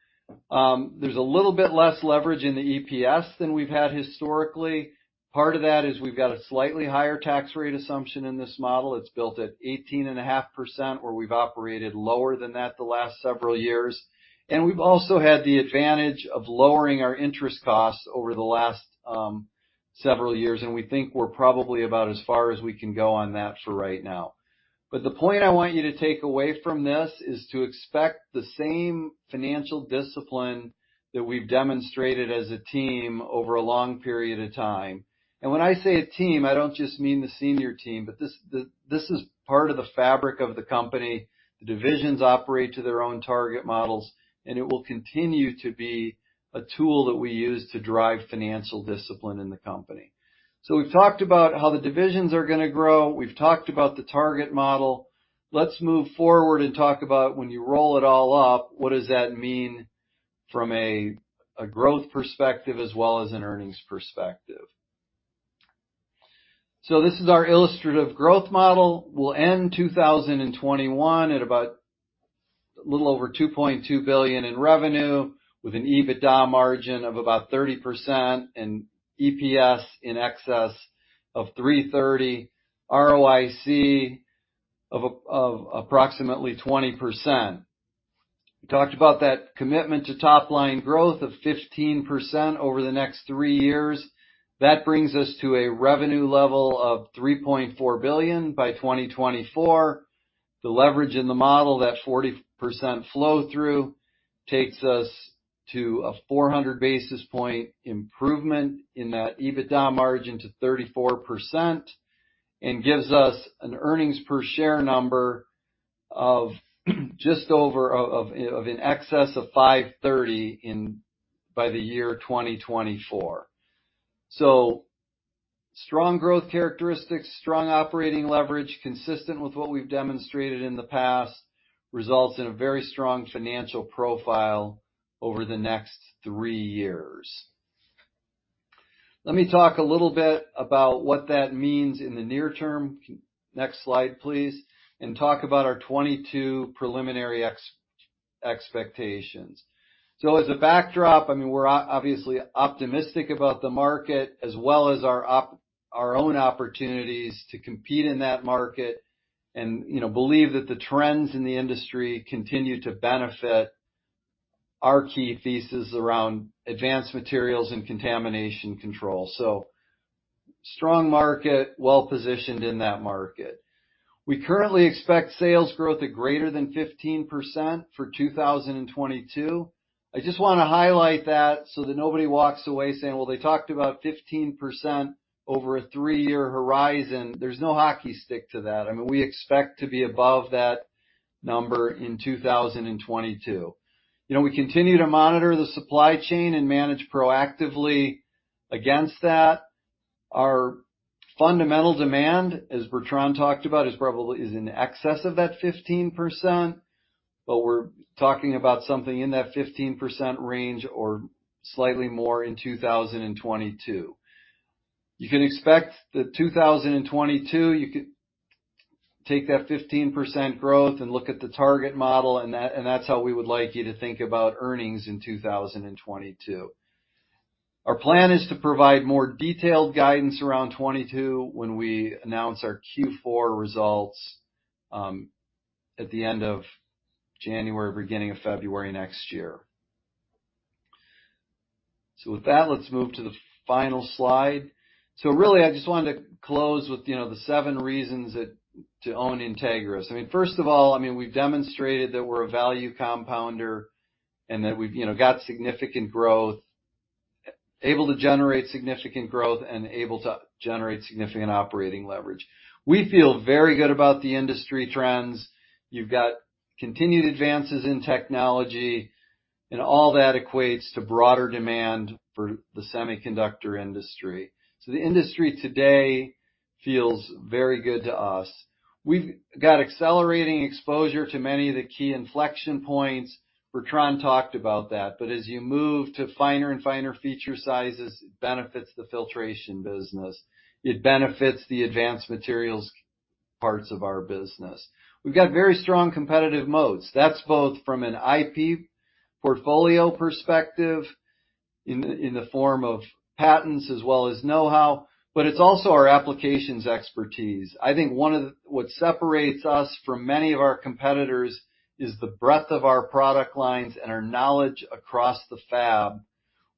C: There's a little bit less leverage in the EPS than we've had historically. Part of that is we've got a slightly higher tax rate assumption in this model. It's built at 18.5%, where we've operated lower than that the last several years. We've also had the advantage of lowering our interest costs over the last several years, and we think we're probably about as far as we can go on that for right now. The point I want you to take away from this is to expect the same financial discipline that we've demonstrated as a team over a long period of time. When I say a team, I don't just mean the senior team, but this is part of the fabric of the company. The divisions operate to their own target models, and it will continue to be a tool that we use to drive financial discipline in the company. We've talked about how the divisions are gonna grow. We've talked about the target model. Let's move forward and talk about when you roll it all up, what does that mean from a growth perspective as well as an earnings perspective. This is our illustrative growth model. We'll end 2021 at about a little over $2.2 billion in revenue with an EBITDA margin of about 30% and EPS in excess of $3.30, ROIC of approximately 20%. We talked about that commitment to top line growth of 15% over the next three years. That brings us to a revenue level of $3.4 billion by 2024. The leverage in the model, that 40% flow-through, takes us to a 400 basis point improvement in that EBITDA margin to 34% and gives us an earnings per share number of just over, of in excess of $5.30 in, by the year 2024. Strong growth characteristics, strong operating leverage, consistent with what we've demonstrated in the past, results in a very strong financial profile over the next three years. Let me talk a little bit about what that means in the near term. Next slide, please, and talk about our 2022 preliminary expectations. As a backdrop, I mean, we're obviously optimistic about the market as well as our own opportunities to compete in that market, and, you know, believe that the trends in the industry continue to benefit our key thesis around advanced materials and contamination control. Strong market, well-positioned in that market. We currently expect sales growth of greater than 15% for 2022. I just want to highlight that so that nobody walks away saying, "Well, they talked about 15% over a three-year horizon." There's no hockey stick to that. I mean, we expect to be above that number in 2022. You know, we continue to monitor the supply chain and manage proactively against that. Our fundamental demand, as Bertrand talked about, is probably, is in excess of that 15%, but we're talking about something in that 15% range or slightly more in 2022. You can expect that 2022, you could take that 15% growth and look at the target model, and that, and that's how we would like you to think about earnings in 2022. Our plan is to provide more detailed guidance around 2022 when we announce our Q4 results at the end of January, beginning of February next year. With that, let's move to the final slide. Really, I just wanted to close with, you know, the seven reasons to own Entegris. I mean, first of all, we've demonstrated that we're a value compounder and that we've, you know, got significant growth, able to generate significant growth and able to generate significant operating leverage. We feel very good about the industry trends. You've got continued advances in technology and all that equates to broader demand for the semiconductor industry. The industry today feels very good to us. We've got accelerating exposure to many of the key inflection points. Bertrand talked about that. As you move to finer and finer feature sizes, it benefits the filtration business. It benefits the advanced materials parts of our business. We've got very strong competitive moats. That's both from an IP portfolio perspective in the form of patents as well as know-how, but it's also our applications expertise. I think one of what separates us from many of our competitors is the breadth of our product lines and our knowledge across the fab,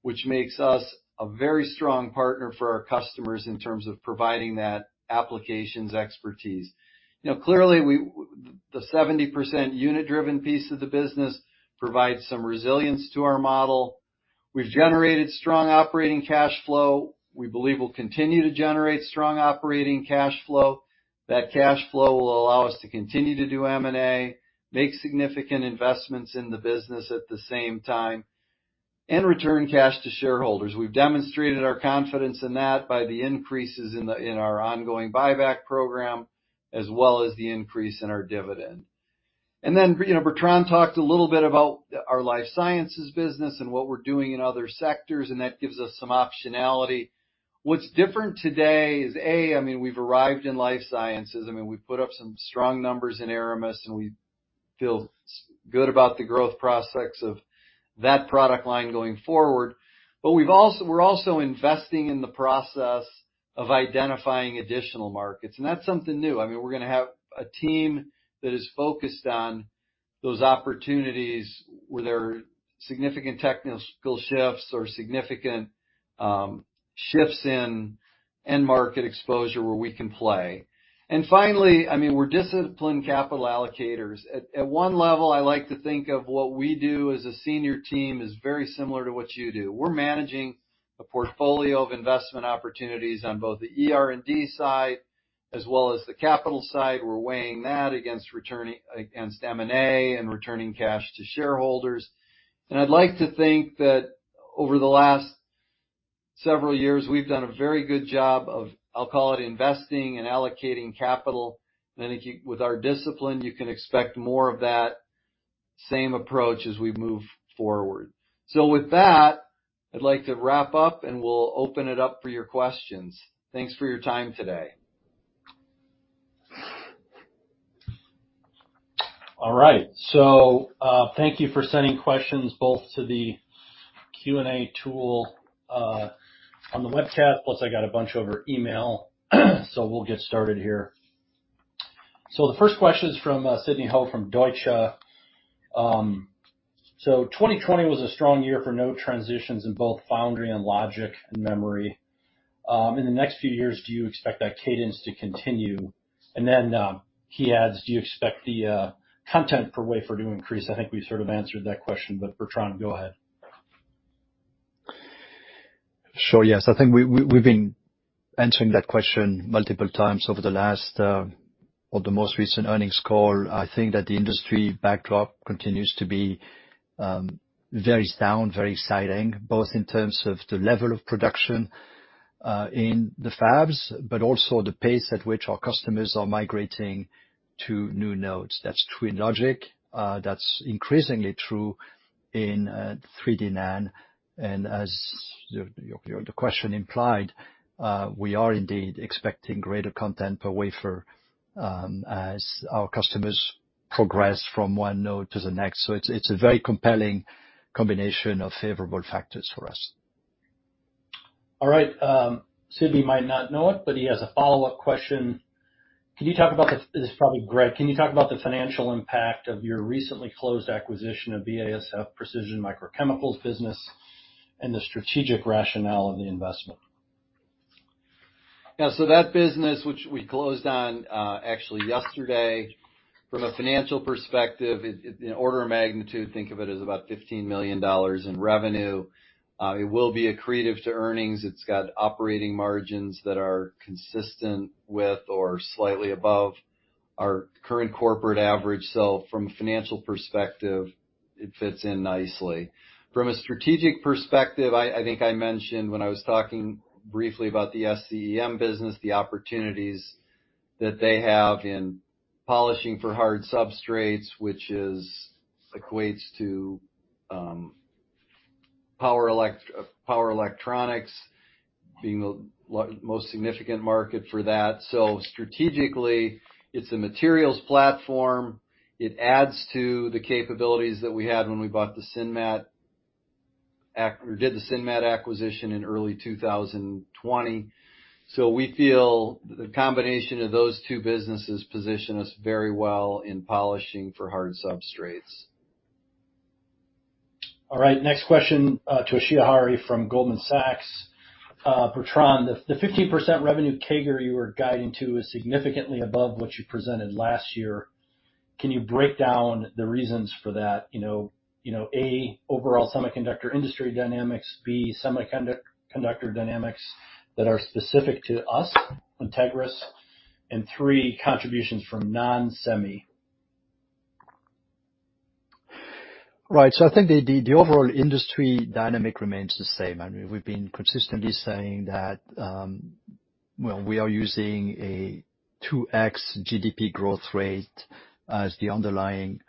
C: which makes us a very strong partner for our customers in terms of providing that applications expertise. Now, clearly, the 70% unit-driven piece of the business provides some resilience to our model. We've generated strong operating cash flow. We believe we'll continue to generate strong operating cash flow. That cash flow will allow us to continue to do M&A, make significant investments in the business at the same time, and return cash to shareholders. We've demonstrated our confidence in that by the increases in our ongoing buyback program, as well as the increase in our dividend. Then, you know, Bertrand talked a little bit about our life sciences business and what we're doing in other sectors, and that gives us some optionality. What's different today is, A, I mean, we've arrived in life sciences. I mean, we've put up some strong numbers in Aramus, and we feel so good about the growth prospects of that product line going forward. We're also investing in the process of identifying additional markets, and that's something new. I mean, we're gonna have a team that is focused on those opportunities where there are significant technical shifts or significant shifts in end market exposure where we can play. Finally, I mean, we're disciplined capital allocators. At one level, I like to think of what we do as a senior team is very similar to what you do. We're managing a portfolio of investment opportunities on both the ER&D side as well as the capital side. We're weighing that against M&A and returning cash to shareholders. I'd like to think that over the last several years, we've done a very good job of, I'll call it, investing and allocating capital. I think with our discipline, you can expect more of that same approach as we move forward. With that, I'd like to wrap up, and we'll open it up for your questions. Thanks for your time today.
A: All right. Thank you for sending questions both to the Q&A tool on the webcast, plus I got a bunch over email, so we'll get started here. The first question is from Sidney Ho from Deutsche." 2020 was a strong year for node transitions in both foundry and logic and memory. In the next few years, do you expect that cadence to continue?' And then, he adds, "Do you expect the content per wafer to increase?" I think we sort of answered that question, but Bertrand, go ahead.
B: Sure. Yes. I think we've been answering that question multiple times over the last, or the most recent earnings call. I think that the industry backdrop continues to be very sound, very exciting, both in terms of the level of production in the fabs, but also the pace at which our customers are migrating to new nodes. That's true in logic. That's increasingly true in 3D NAND. And as your the question implied, we are indeed expecting greater content per wafer, as our customers progress from one node to the next. It's a very compelling combination of favorable factors for us.
A: All right. Sidney might not know it, but he has a follow-up question. This is probably Greg. "Can you talk about the financial impact of your recently closed acquisition of BASF'sPrecision Microchemicals business and the strategic rationale of the investment?"
C: Yeah. That business, which we closed on actually yesterday, from a financial perspective, it in order of magnitude, think of it as about $15 million in revenue. It will be accretive to earnings. It's got operating margins that are consistent with or slightly above our current corporate average. From a financial perspective, it fits in nicely. From a strategic perspective, I think I mentioned when I was talking briefly about the SCEM business, the opportunities that they have in polishing for hard substrates, which equates to power electronics being the most significant market for that. Strategically, it's a materials platform. It adds to the capabilities that we had when we bought the Sinmat ac or did the Sinmat acquisition in early 2020. We feel the combination of those two businesses position us very well in polishing for hard substrates.
A: All right. Next question, Toshiya Hari from Goldman Sachs. Bertrand," the 15% revenue CAGR you were guiding to is significantly above what you presented last year. Can you break down the reasons for that? You know, A, overall semiconductor industry dynamics, B, semiconductor dynamics that are specific to us, Entegris, and three, contributions from non-semi."
B: Right. I think the overall industry dynamic remains the same. I mean, we've been consistently saying that, we are using a 2x GDP growth rate as the underlying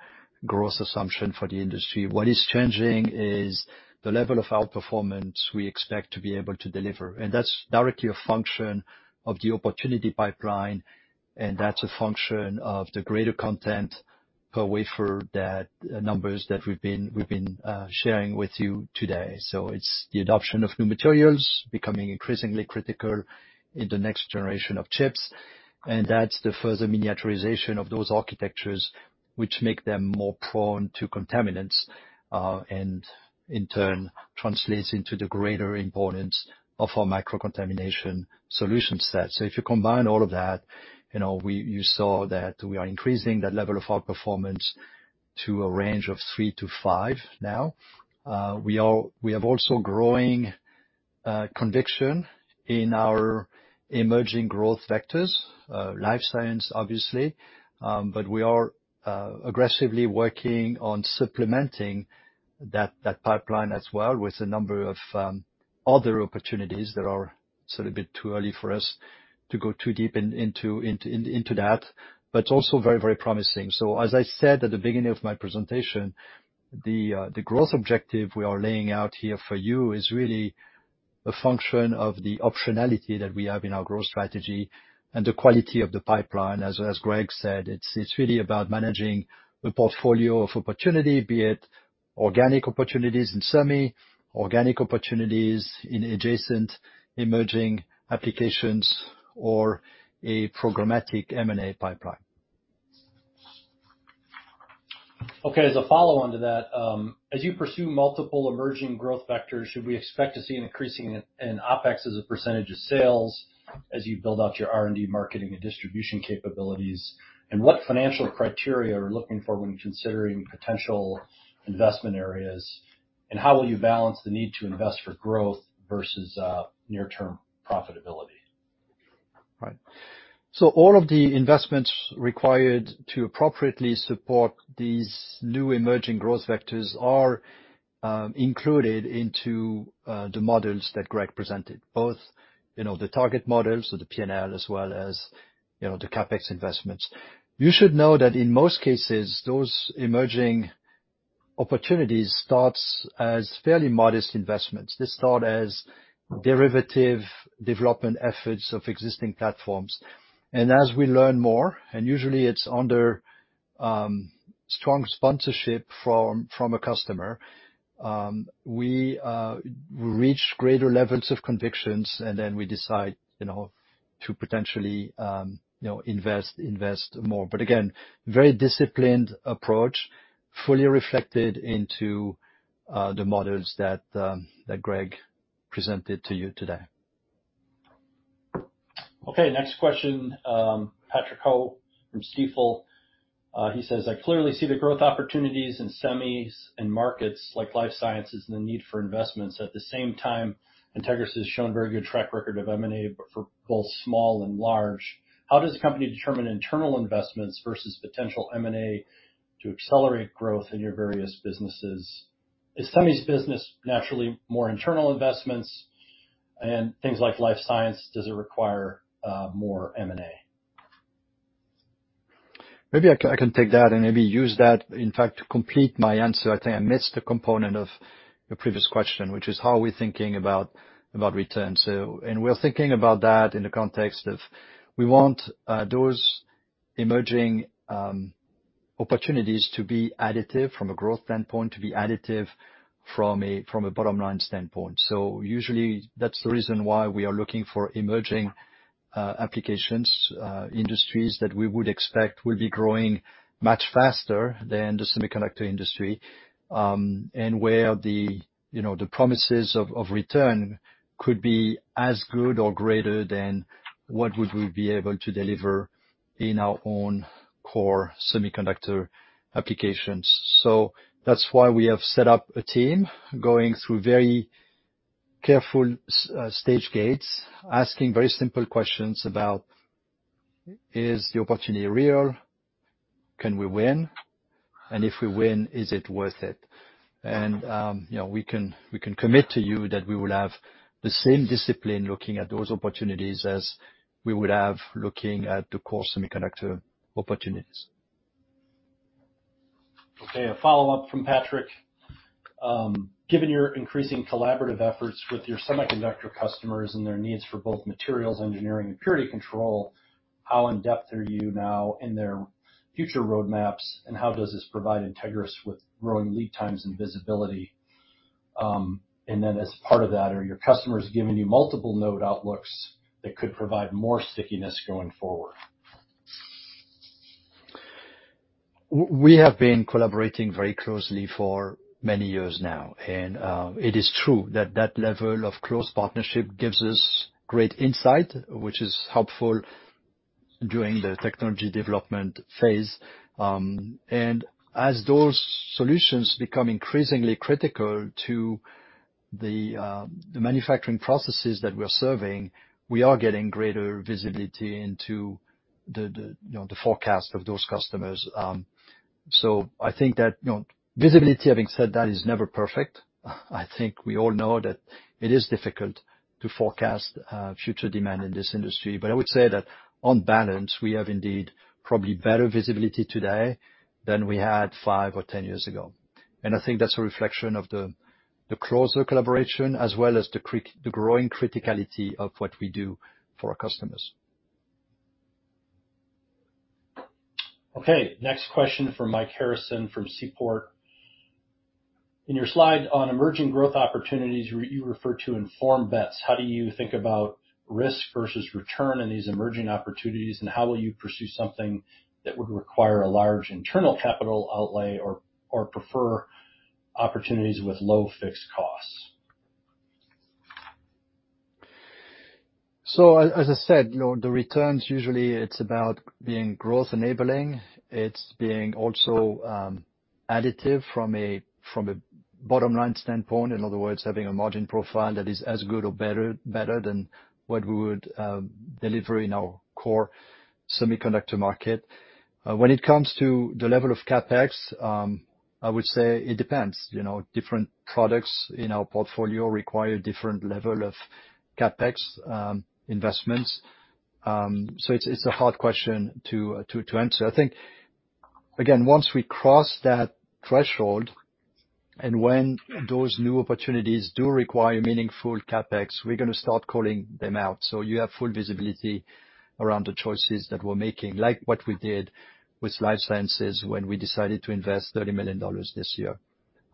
B: growth assumption for the industry. What is changing is the level of outperformance we expect to be able to deliver, and that's directly a function of the opportunity pipeline, and that's a function of the greater content per wafer that numbers that we've been sharing with you today. It's the adoption of new materials becoming increasingly critical in the next generation of chips, and that's the further miniaturization of those architectures which make them more prone to contaminants, and in turn translates into the greater importance of our micro contamination solution set. If you combine all of that, you know, we saw that we are increasing the level of outperformance to a range of 3%-5% now. We also have growing conviction in our emerging growth vectors, life science, obviously. We are aggressively working on supplementing that pipeline as well with a number of other opportunities that are still a bit too early for us to go too deep into that, but also very, very promising. As I said at the beginning of my presentation, the growth objective we are laying out here for you is really a function of the optionality that we have in our growth strategy and the quality of the pipeline. As Greg said, it's really about managing a portfolio of opportunity, be it organic opportunities in semi, organic opportunities in adjacent emerging applications, or a programmatic M&A pipeline.
A: Okay. As a follow-on to that, "as you pursue multiple emerging growth vectors, should we expect to see an increase in OpEx as a percentage of sales as you build out your R&D marketing and distribution capabilities? And what financial criteria are you looking for when considering potential investment areas, and how will you balance the need to invest for growth versus near-term profitability?"
B: Right. All of the investments required to appropriately support these new emerging growth vectors are included into the models that Greg presented, both, you know, the target models, so the P&L, as well as, you know, the CapEx investments. You should know that in most cases, those emerging opportunities start as fairly modest investments. They start as derivative development efforts of existing platforms. As we learn more, and usually it's under strong sponsorship from a customer, we reach greater levels of conviction, and then we decide, you know, to potentially invest more. Again, very disciplined approach, fully reflected into the models that Greg presented to you today.
A: Okay, next question, Patrick Ho from Stifel. He says, "I clearly see the growth opportunities in semis and markets like life sciences and the need for investments. At the same time, Entegris has shown a very good track record of M&A, but for both small and large. How does the company determine internal investments versus potential M&A to accelerate growth in your various businesses? Is semis business naturally more internal investments and things like life science, does it require, more M&A?
B: Maybe I can take that and maybe use that in fact to complete my answer. I think I missed a component of your previous question, which is how are we thinking about return. We're thinking about that in the context of we want those emerging opportunities to be additive from a growth standpoint, to be additive from a bottom-line standpoint. Usually that's the reason why we are looking for emerging applications, industries that we would expect will be growing much faster than the semiconductor industry, and where the you know the promises of return could be as good or greater than what would we be able to deliver in our own core semiconductor applications. That's why we have set up a team going through very careful stage gates, asking very simple questions about, "Is the opportunity real? Can we win? And if we win, is it worth it?" We can commit to you that we will have the same discipline looking at those opportunities as we would have looking at the core semiconductor opportunities.
A: Okay, a follow-up from Patrick. "Given your increasing collaborative efforts with your semiconductor customers and their needs for both materials engineering and purity control, how in-depth are you now in their future roadmaps, and how does this provide Entegris with growing lead times and visibility? And then as part of that, are your customers giving you multiple node outlooks that could provide more stickiness going forward?"
B: We have been collaborating very closely for many years now, and it is true that that level of close partnership gives us great insight, which is helpful during the technology development phase. As those solutions become increasingly critical to the manufacturing processes that we are serving, we are getting greater visibility into you know the forecast of those customers. So I think that you know visibility, having said that, is never perfect. I think we all know that it is difficult to forecast future demand in this industry. But I would say that on balance, we have indeed probably better visibility today than we had five or ten years ago. I think that's a reflection of the closer collaboration as well as the growing criticality of what we do for our customers.
A: Okay, next question from Mike Harrison from Seaport." In your slide on emerging growth opportunities, you refer to informed bets. How do you think about risk versus return in these emerging opportunities, and how will you pursue something that would require a large internal capital outlay or prefer opportunities with low fixed costs?"
B: As I said, you know, the returns usually it's about being growth enabling. It's being also additive from a bottom line standpoint. In other words, having a margin profile that is as good or better than what we would deliver in our core semiconductor market. When it comes to the level of CapEx, I would say it depends. You know, different products in our portfolio require different level of CapEx investments. It's a hard question to answer. I think, again, once we cross that threshold, and when those new opportunities do require meaningful CapEx, we're gonna start calling them out. You have full visibility around the choices that we're making, like what we did with life sciences when we decided to invest $30 million this year.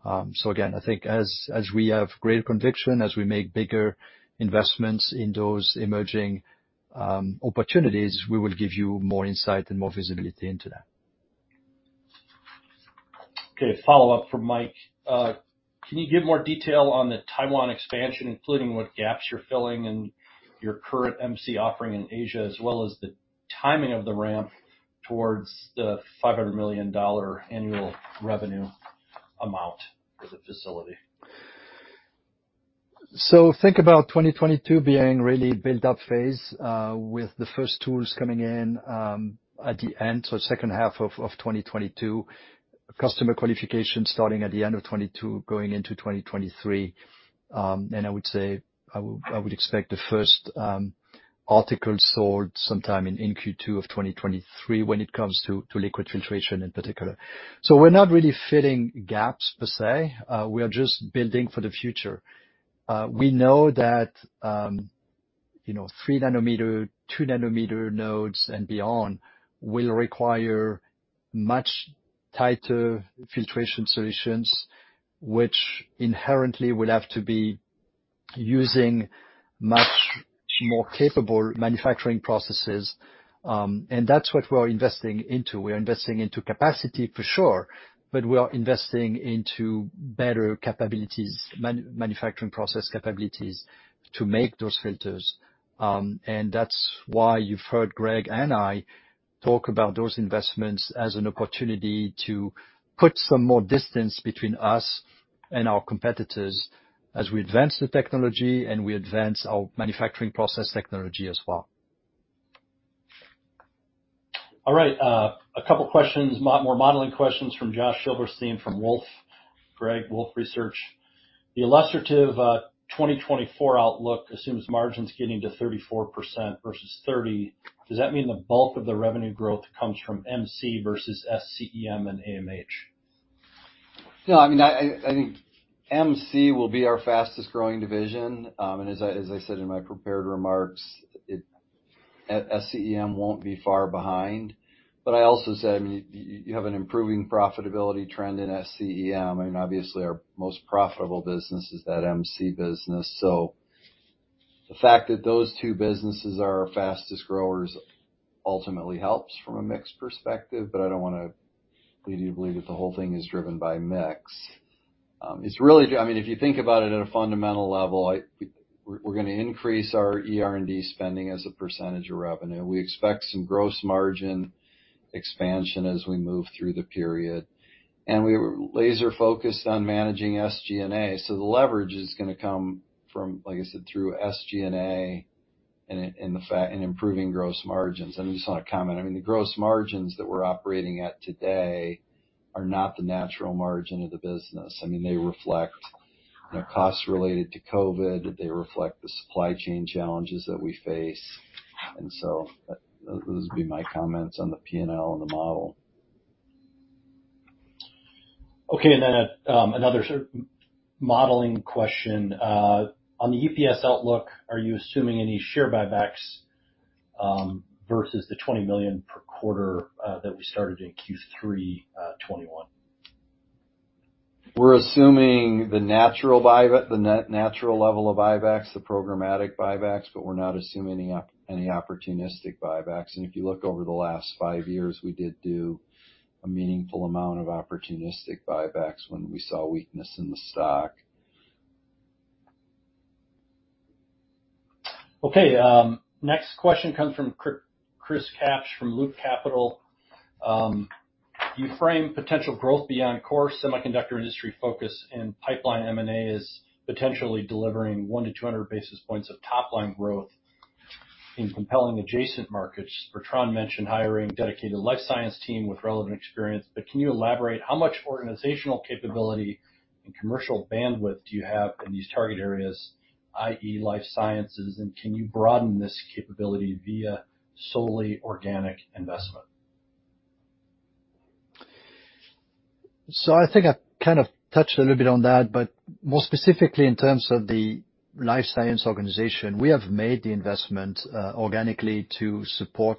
B: Again, I think as we have greater conviction, as we make bigger investments in those emerging opportunities, we will give you more insight and more visibility into that.
A: Okay. Follow up from Mike." Can you give more detail on the Taiwan expansion, including what gaps you're filling and your current MC offering in Asia, as well as the timing of the ramp towards the $500 million annual revenue amount for the facility?"
B: Think about 2022 being really buildup phase, with the first tools coming in at the end, second half of 2022. Customer qualification starting at the end of 2022, going into 2023. I would expect the first article sold sometime in Q2 of 2023 when it comes to liquid filtration in particular. We're not really filling gaps per se, we are just building for the future. We know that, you know, 3 nanometer, 2 nanometer nodes and beyond will require much tighter filtration solutions, which inherently will have to be using much more capable manufacturing processes. That's what we're investing into. We're investing into capacity for sure, but we are investing into better capabilities, manufacturing process capabilities to make those filters. That's why you've heard Greg and I talk about those investments as an opportunity to put some more distance between us and our competitors as we advance the technology and we advance our manufacturing process technology as well.
A: All right. A couple questions. More modeling questions from Josh Silverstein from Wolfe Research. "Greg, the illustrative 2024 outlook assumes margins getting to 34% versus 30%. Does that mean the bulk of the revenue growth comes from MC versus SCEM and AMH?"
C: No. I mean, I think MC will be our fastest growing division. As I said in my prepared remarks, SCEM won't be far behind. I also said, I mean, you have an improving profitability trend in SCEM. I mean, obviously our most profitable business is that MC business. So the fact that those two businesses are our fastest growers ultimately helps from a mix perspective, but I don't want to lead you to believe that the whole thing is driven by mix. It's really, I mean, if you think about it at a fundamental level, we're gonna increase our ER&D spending as a percentage of revenue. We expect some gross margin expansion as we move through the period. We're laser focused on managing SG&A. The leverage is gonna come from, like I said, through SG&A and in improving gross margins. I just want to comment, I mean, the gross margins that we're operating at today are not the natural margin of the business. I mean, they reflect, you know, costs related to COVID. They reflect the supply chain challenges that we face. Those would be my comments on the P&L and the model.
A: Okay. Another sort of modeling question. On the EPS outlook, are you assuming any share buybacks versus the $20 million per quarter that we started in Q3 2021?
C: We're assuming the natural level of buybacks, the programmatic buybacks, but we're not assuming any opportunistic buybacks. If you look over the last five years, we did do a meaningful amount of opportunistic buybacks when we saw weakness in the stock.
A: Next question comes from Chris Kapsch from Loop Capital. You frame potential growth beyond core semiconductor industry focus and pipeline M&A as potentially delivering 100-200 basis points of top line growth in compelling adjacent markets. Bertrand mentioned hiring dedicated life science team with relevant experience, but can you elaborate how much organizational capability and commercial bandwidth do you have in these target areas, i.e. life sciences, and can you broaden this capability via solely organic investment?
B: I think I kind of touched a little bit on that, but more specifically in terms of the life science organization, we have made the investment organically to support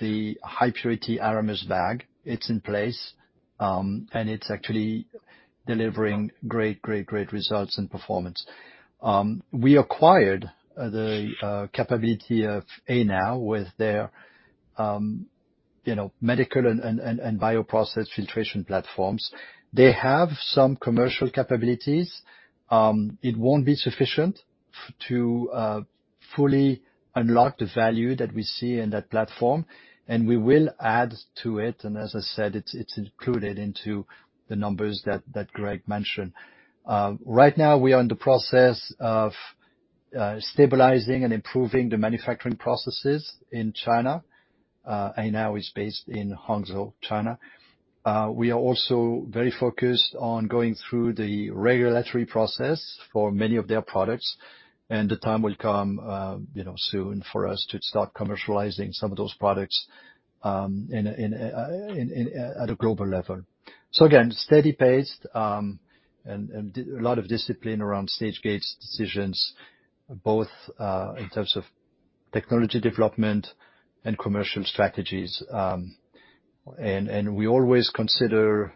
B: the high purity Aramus bag. It's in place, and it's actually delivering great results and performance. We acquired the capability of Anow with their, you know, medical and bioprocess filtration platforms. They have some commercial capabilities. It won't be sufficient to fully unlock the value that we see in that platform, and we will add to it, and as I said, it's included into the numbers that Greg mentioned. Right now we are in the process of stabilizing and improving the manufacturing processes in China. Anow is based in Hangzhou, China. We are also very focused on going through the regulatory process for many of their products, and the time will come, you know, soon for us to start commercializing some of those products at a global level. Steady pace and a lot of discipline around stage gate decisions, both in terms of technology development and commercial strategies. We always consider,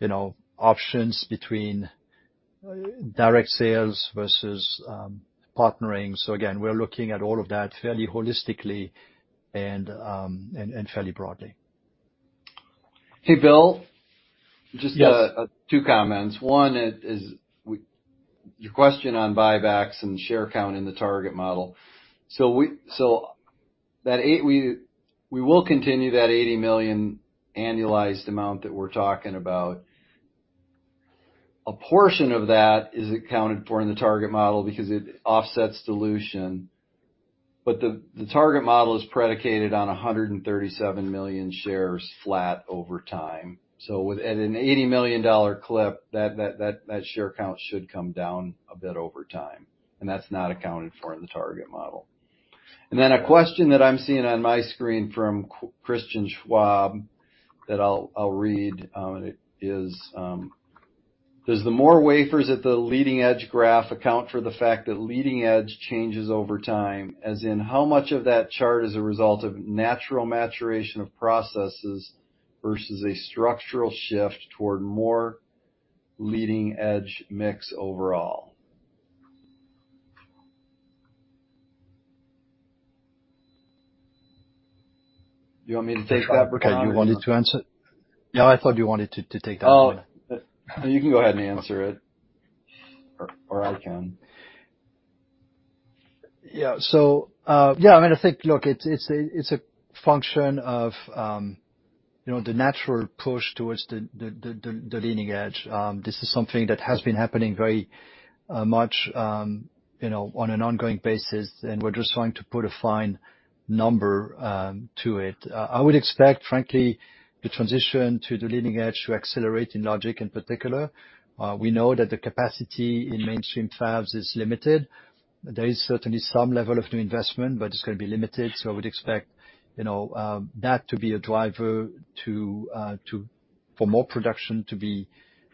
B: you know, options between direct sales versus partnering. We're looking at all of that fairly holistically and fairly broadly.
C: Hey, Bill.
A: Yes.
C: Just two comments. One is your question on buybacks and share count in the target model. We will continue that $80 million annualized amount that we're talking about. A portion of that is accounted for in the target model because it offsets dilution, but the target model is predicated on 137 million shares flat over time. At an $80 million clip, that share count should come down a bit over time, and that's not accounted for in the target model. Then a question that I'm seeing on my screen from Christian Schwab that I'll read is, "does the more wafers at the leading-edge graph account for the fact that leading edge changes over time? As in, how much of that chart is a result of natural maturation of processes versus a structural shift toward more leading-edge mix overall?" Do you want me to take that, Bertrand?
B: Okay. I thought you wanted to take that one.
C: Oh, you can go ahead and answer it. Or, I can.
B: I mean, I think, look, it's a function of you know, the natural push towards the leading edge. This is something that has been happening very much you know, on an ongoing basis, and we're just trying to put a fine number to it. I would expect, frankly, the transition to the leading edge to accelerate in logic in particular. We know that the capacity in mainstream fabs is limited. There is certainly some level of new investment, but it's gonna be limited. I would expect you know, that to be a driver for more production to be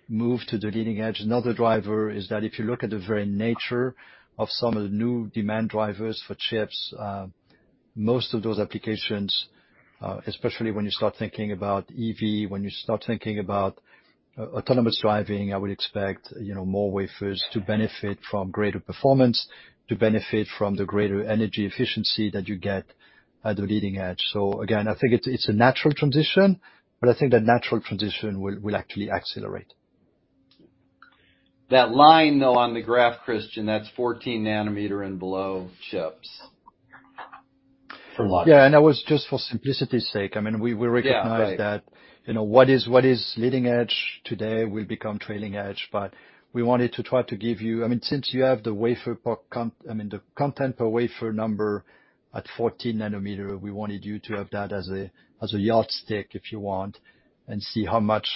B: moved to the leading edge. Another driver is that if you look at the very nature of some of the new demand drivers for chips, most of those applications, especially when you start thinking about EV, when you start thinking about autonomous driving, I would expect, you know, more wafers to benefit from greater performance, to benefit from the greater energy efficiency that you get at the leading edge. So again, I think it's a natural transition, but I think that natural transition will actually accelerate.
C: That line, though, on the graph, Christian, that's 14 nanometer and below chips for logic.
B: Yeah, that was just for simplicity's sake. I mean, we recognize.
C: Yeah, right.
B: That, you know, what is leading edge today will become trailing edge. We wanted to try to give you—I mean, since you have the wafer park count, I mean, the content per wafer number at 14 nanometer, we wanted you to have that as a yardstick, if you want, and see how much,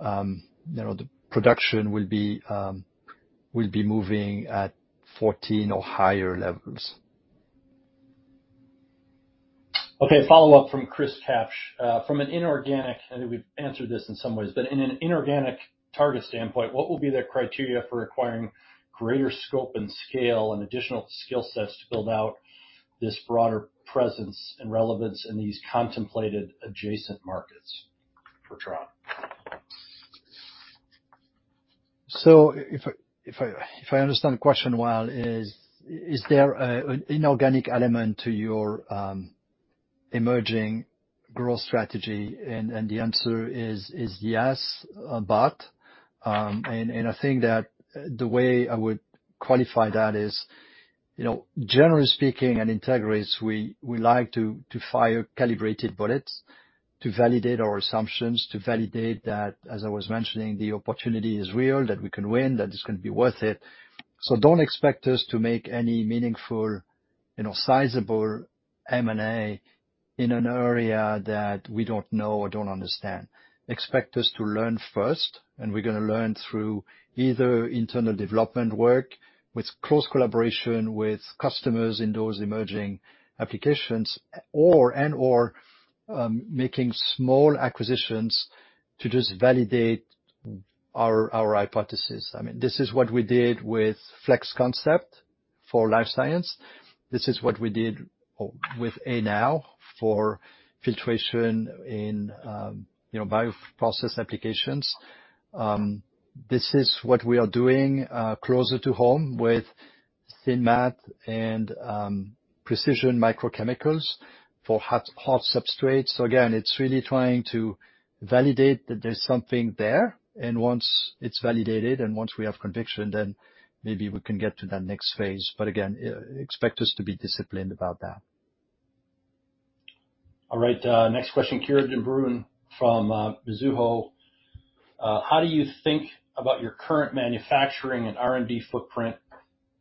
B: you know, the production will be moving at 14 or higher levels.
A: Okay, follow-up from Chris Kapsch. From an inorganic, I know we've answered this in some ways, but in an inorganic target standpoint, what will be the criteria for acquiring greater scope and scale and additional skill sets to build out this broader presence and relevance in these contemplated adjacent markets for trial?
B: If I understand the question well, is there an inorganic element to your emerging growth strategy? The answer is yes, but, and I think that the way I would qualify that is, you know, generally speaking, at Entegris, we like to fire calibrated bullets to validate our assumptions, to validate that, as I was mentioning, the opportunity is real, that we can win, that it's gonna be worth it. Don't expect us to make any meaningful, you know, sizable M&A in an area that we don't know or don't understand. Expect us to learn first, and we're gonna learn through either internal development work with close collaboration with customers in those emerging applications or and/or making small acquisitions to just validate our hypothesis. I mean, this is what we did with Flex Concepts. For life science, this is what we did with Anow for filtration in bioprocess applications. This is what we are doing closer to home with Sinmat and Precision Microchemicals for hard substrates. Again, it's really trying to validate that there's something there, and once it's validated and once we have conviction, then maybe we can get to that next phase. Expect us to be disciplined about that.
A: All right. Next question, Kieran de Brun from Mizuho." How do you think about your current manufacturing and R&D footprint,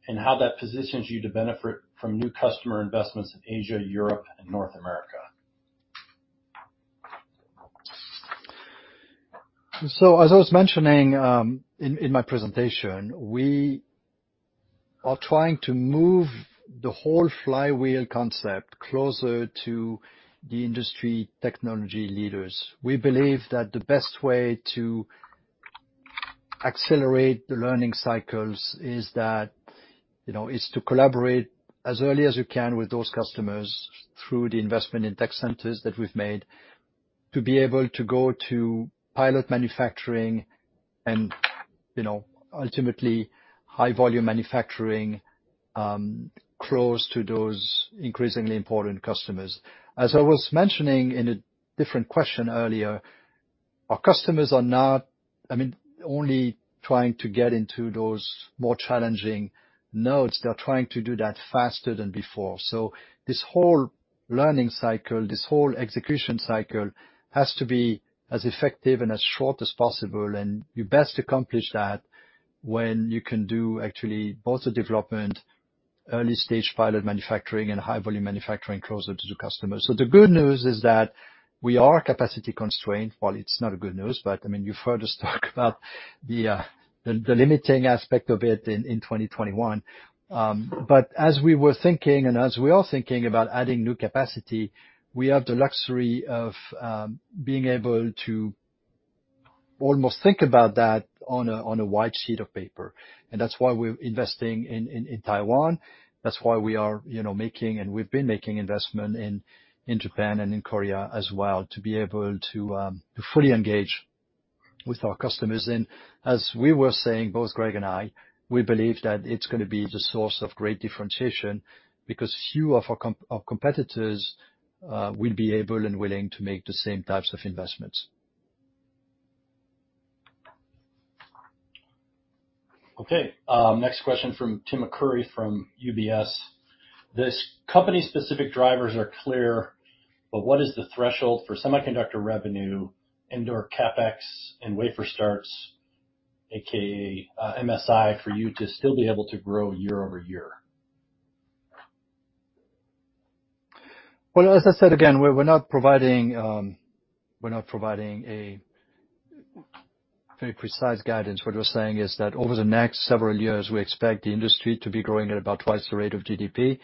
A: and how that positions you to benefit from new customer investments in Asia, Europe and North America?"
B: As I was mentioning in my presentation, we are trying to move the whole flywheel concept closer to the industry technology leaders. We believe that the best way to accelerate the learning cycles is to collaborate as early as you can with those customers through the investment in tech centers that we've made, to be able to go to pilot manufacturing and ultimately high volume manufacturing close to those increasingly important customers. As I was mentioning in a different question earlier, our customers are not, I mean, only trying to get into those more challenging nodes, they're trying to do that faster than before. This whole learning cycle, this whole execution cycle has to be as effective and as short as possible, and you best accomplish that when you can do actually both the development, early stage pilot manufacturing and high volume manufacturing closer to the customer. The good news is that we are capacity constrained. Well, it's not a good news, but I mean, you've heard us talk about the limiting aspect of it in 2021. But as we were thinking and as we are thinking about adding new capacity, we have the luxury of being able to almost think about that on a white sheet of paper. That's why we're investing in Taiwan. That's why we are, you know, making, and we've been making investment in in Japan and in Korea as well, to be able to to fully engage with our customers. As we were saying, both Greg and I, we believe that it's gonna be the source of great differentiation because few of our competitors will be able and willing to make the same types of investments.
A: Okay. Next question from Timothy Arcuri from UBS." These company-specific drivers are clear, but what is the threshold for semiconductor revenue and/or CapEx and wafer starts, aka, MSI, for you to still be able to grow year over year?"
B: Well, as I said, again, we're not providing a very precise guidance. What we're saying is that over the next several years, we expect the industry to be growing at about twice the rate of GDP.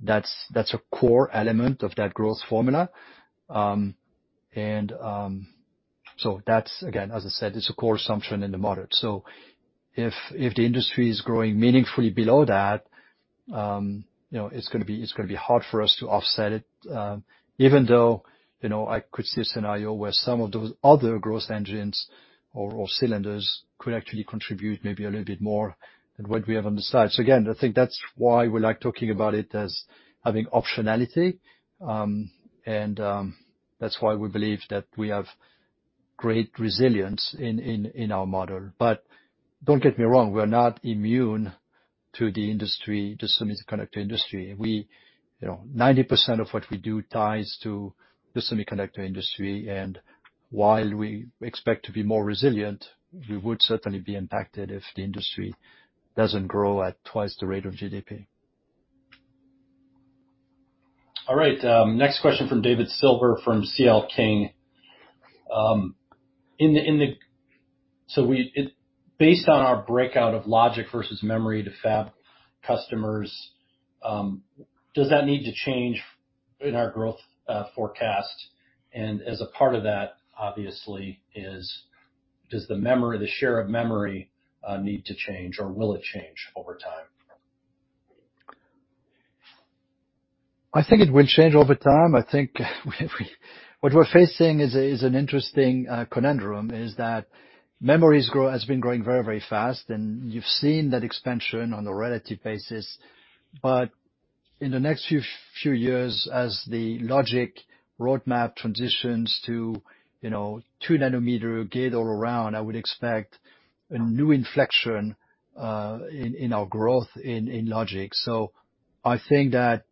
B: That's a core element of that growth formula. That's again, as I said, it's a core assumption in the model. If the industry is growing meaningfully below that, you know, it's gonna be hard for us to offset it, even though, you know, I could see a scenario where some of those other growth engines or cylinders could actually contribute maybe a little bit more than what we have on the side. I think that's why we like talking about it as having optionality. That's why we believe that we have great resilience in our model. Don't get me wrong, we're not immune to the industry, the semiconductor industry. You know, 90% of what we do ties to the semiconductor industry. While we expect to be more resilient, we would certainly be impacted if the industry doesn't grow at twice the rate of GDP.
A: All right. Next question from David Silver from C.L. King." Based on our breakout of logic versus memory to fab customers, does that need to change in our growth forecast? As a part of that, obviously, does the memory, the share of memory, need to change, or will it change over time?"
B: I think it will change over time. I think what we're facing is an interesting conundrum is that memory has been growing very, very fast, and you've seen that expansion on a relative basis. In the next few years, as the logic roadmap transitions to 2 nanometer Gate-All-Around, I would expect a new inflection in our growth in logic. I think that,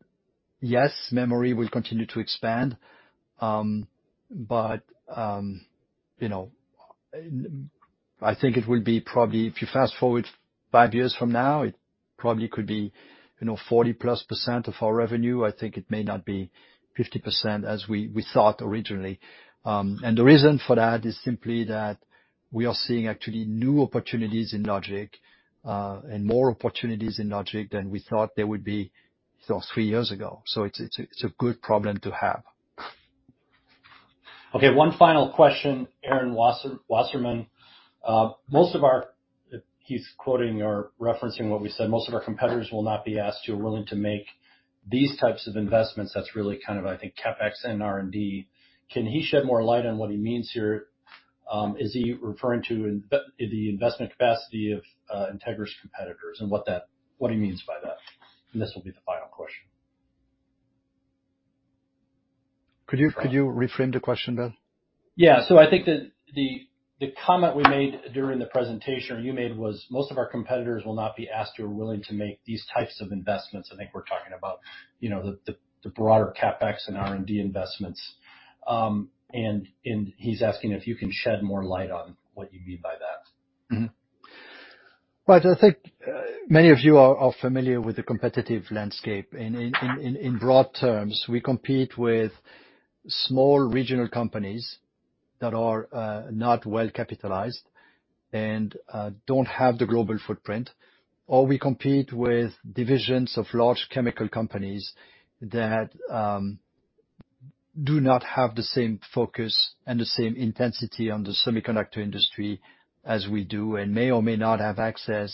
B: yes, memory will continue to expand, but I think it will be probably if you fast-forward five years from now, it probably could be 40%+ of our revenue. I think it may not be 50% as we thought originally. The reason for that is simply that we are seeing actually new opportunities in logic, and more opportunities in logic than we thought there would be, you know, three years ago. It's a good problem to have.
A: Okay, one final question. Aaron Wasserman. He's quoting or referencing what we said. "Most of our competitors will not be asked or willing to make these types of investments." That's really kind of, I think, CapEx and R&D. Can he shed more light on what he means here? Is he referring to the investment capacity of Entegris competitors and what he means by that? This will be the final question.
B: Could you reframe the question, Bill?
A: Yeah. I think that the comment we made during the presentation, or you made, was most of our competitors will not be asked or willing to make these types of investments. I think we're talking about, you know, the broader CapEx and R&D investments. And he's asking if you can shed more light on what you mean by that.
B: Right. I think many of you are familiar with the competitive landscape. In broad terms, we compete with small regional companies that are not well capitalized and don't have the global footprint, or we compete with divisions of large chemical companies that do not have the same focus and the same intensity on the semiconductor industry as we do, and may or may not have access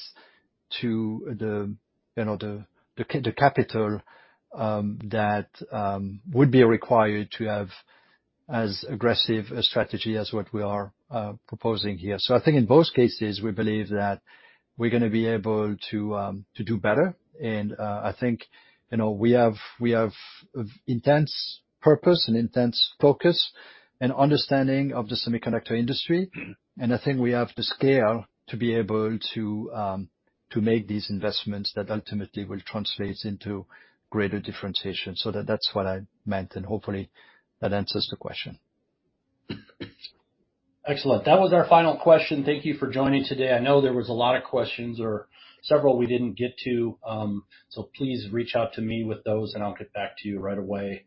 B: to the, you know, the capital that would be required to have as aggressive a strategy as what we are proposing here. I think in both cases, we believe that we're gonna be able to do better. I think, you know, we have intense purpose and intense focus and understanding of the semiconductor industry. I think we have the scale to be able to make these investments that ultimately will translate into greater differentiation. So that's what I meant, and hopefully that answers the question.
A: Excellent. That was our final question. Thank you for joining today. I know there was a lot of questions or several we didn't get to, so please reach out to me with those, and I'll get back to you right away.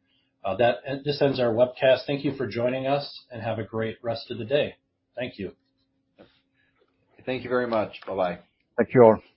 A: This ends our webcast. Thank you for joining us, and have a great rest of the day. Thank you.
C: Thank you very much. Bye-bye.
B: Thank you all.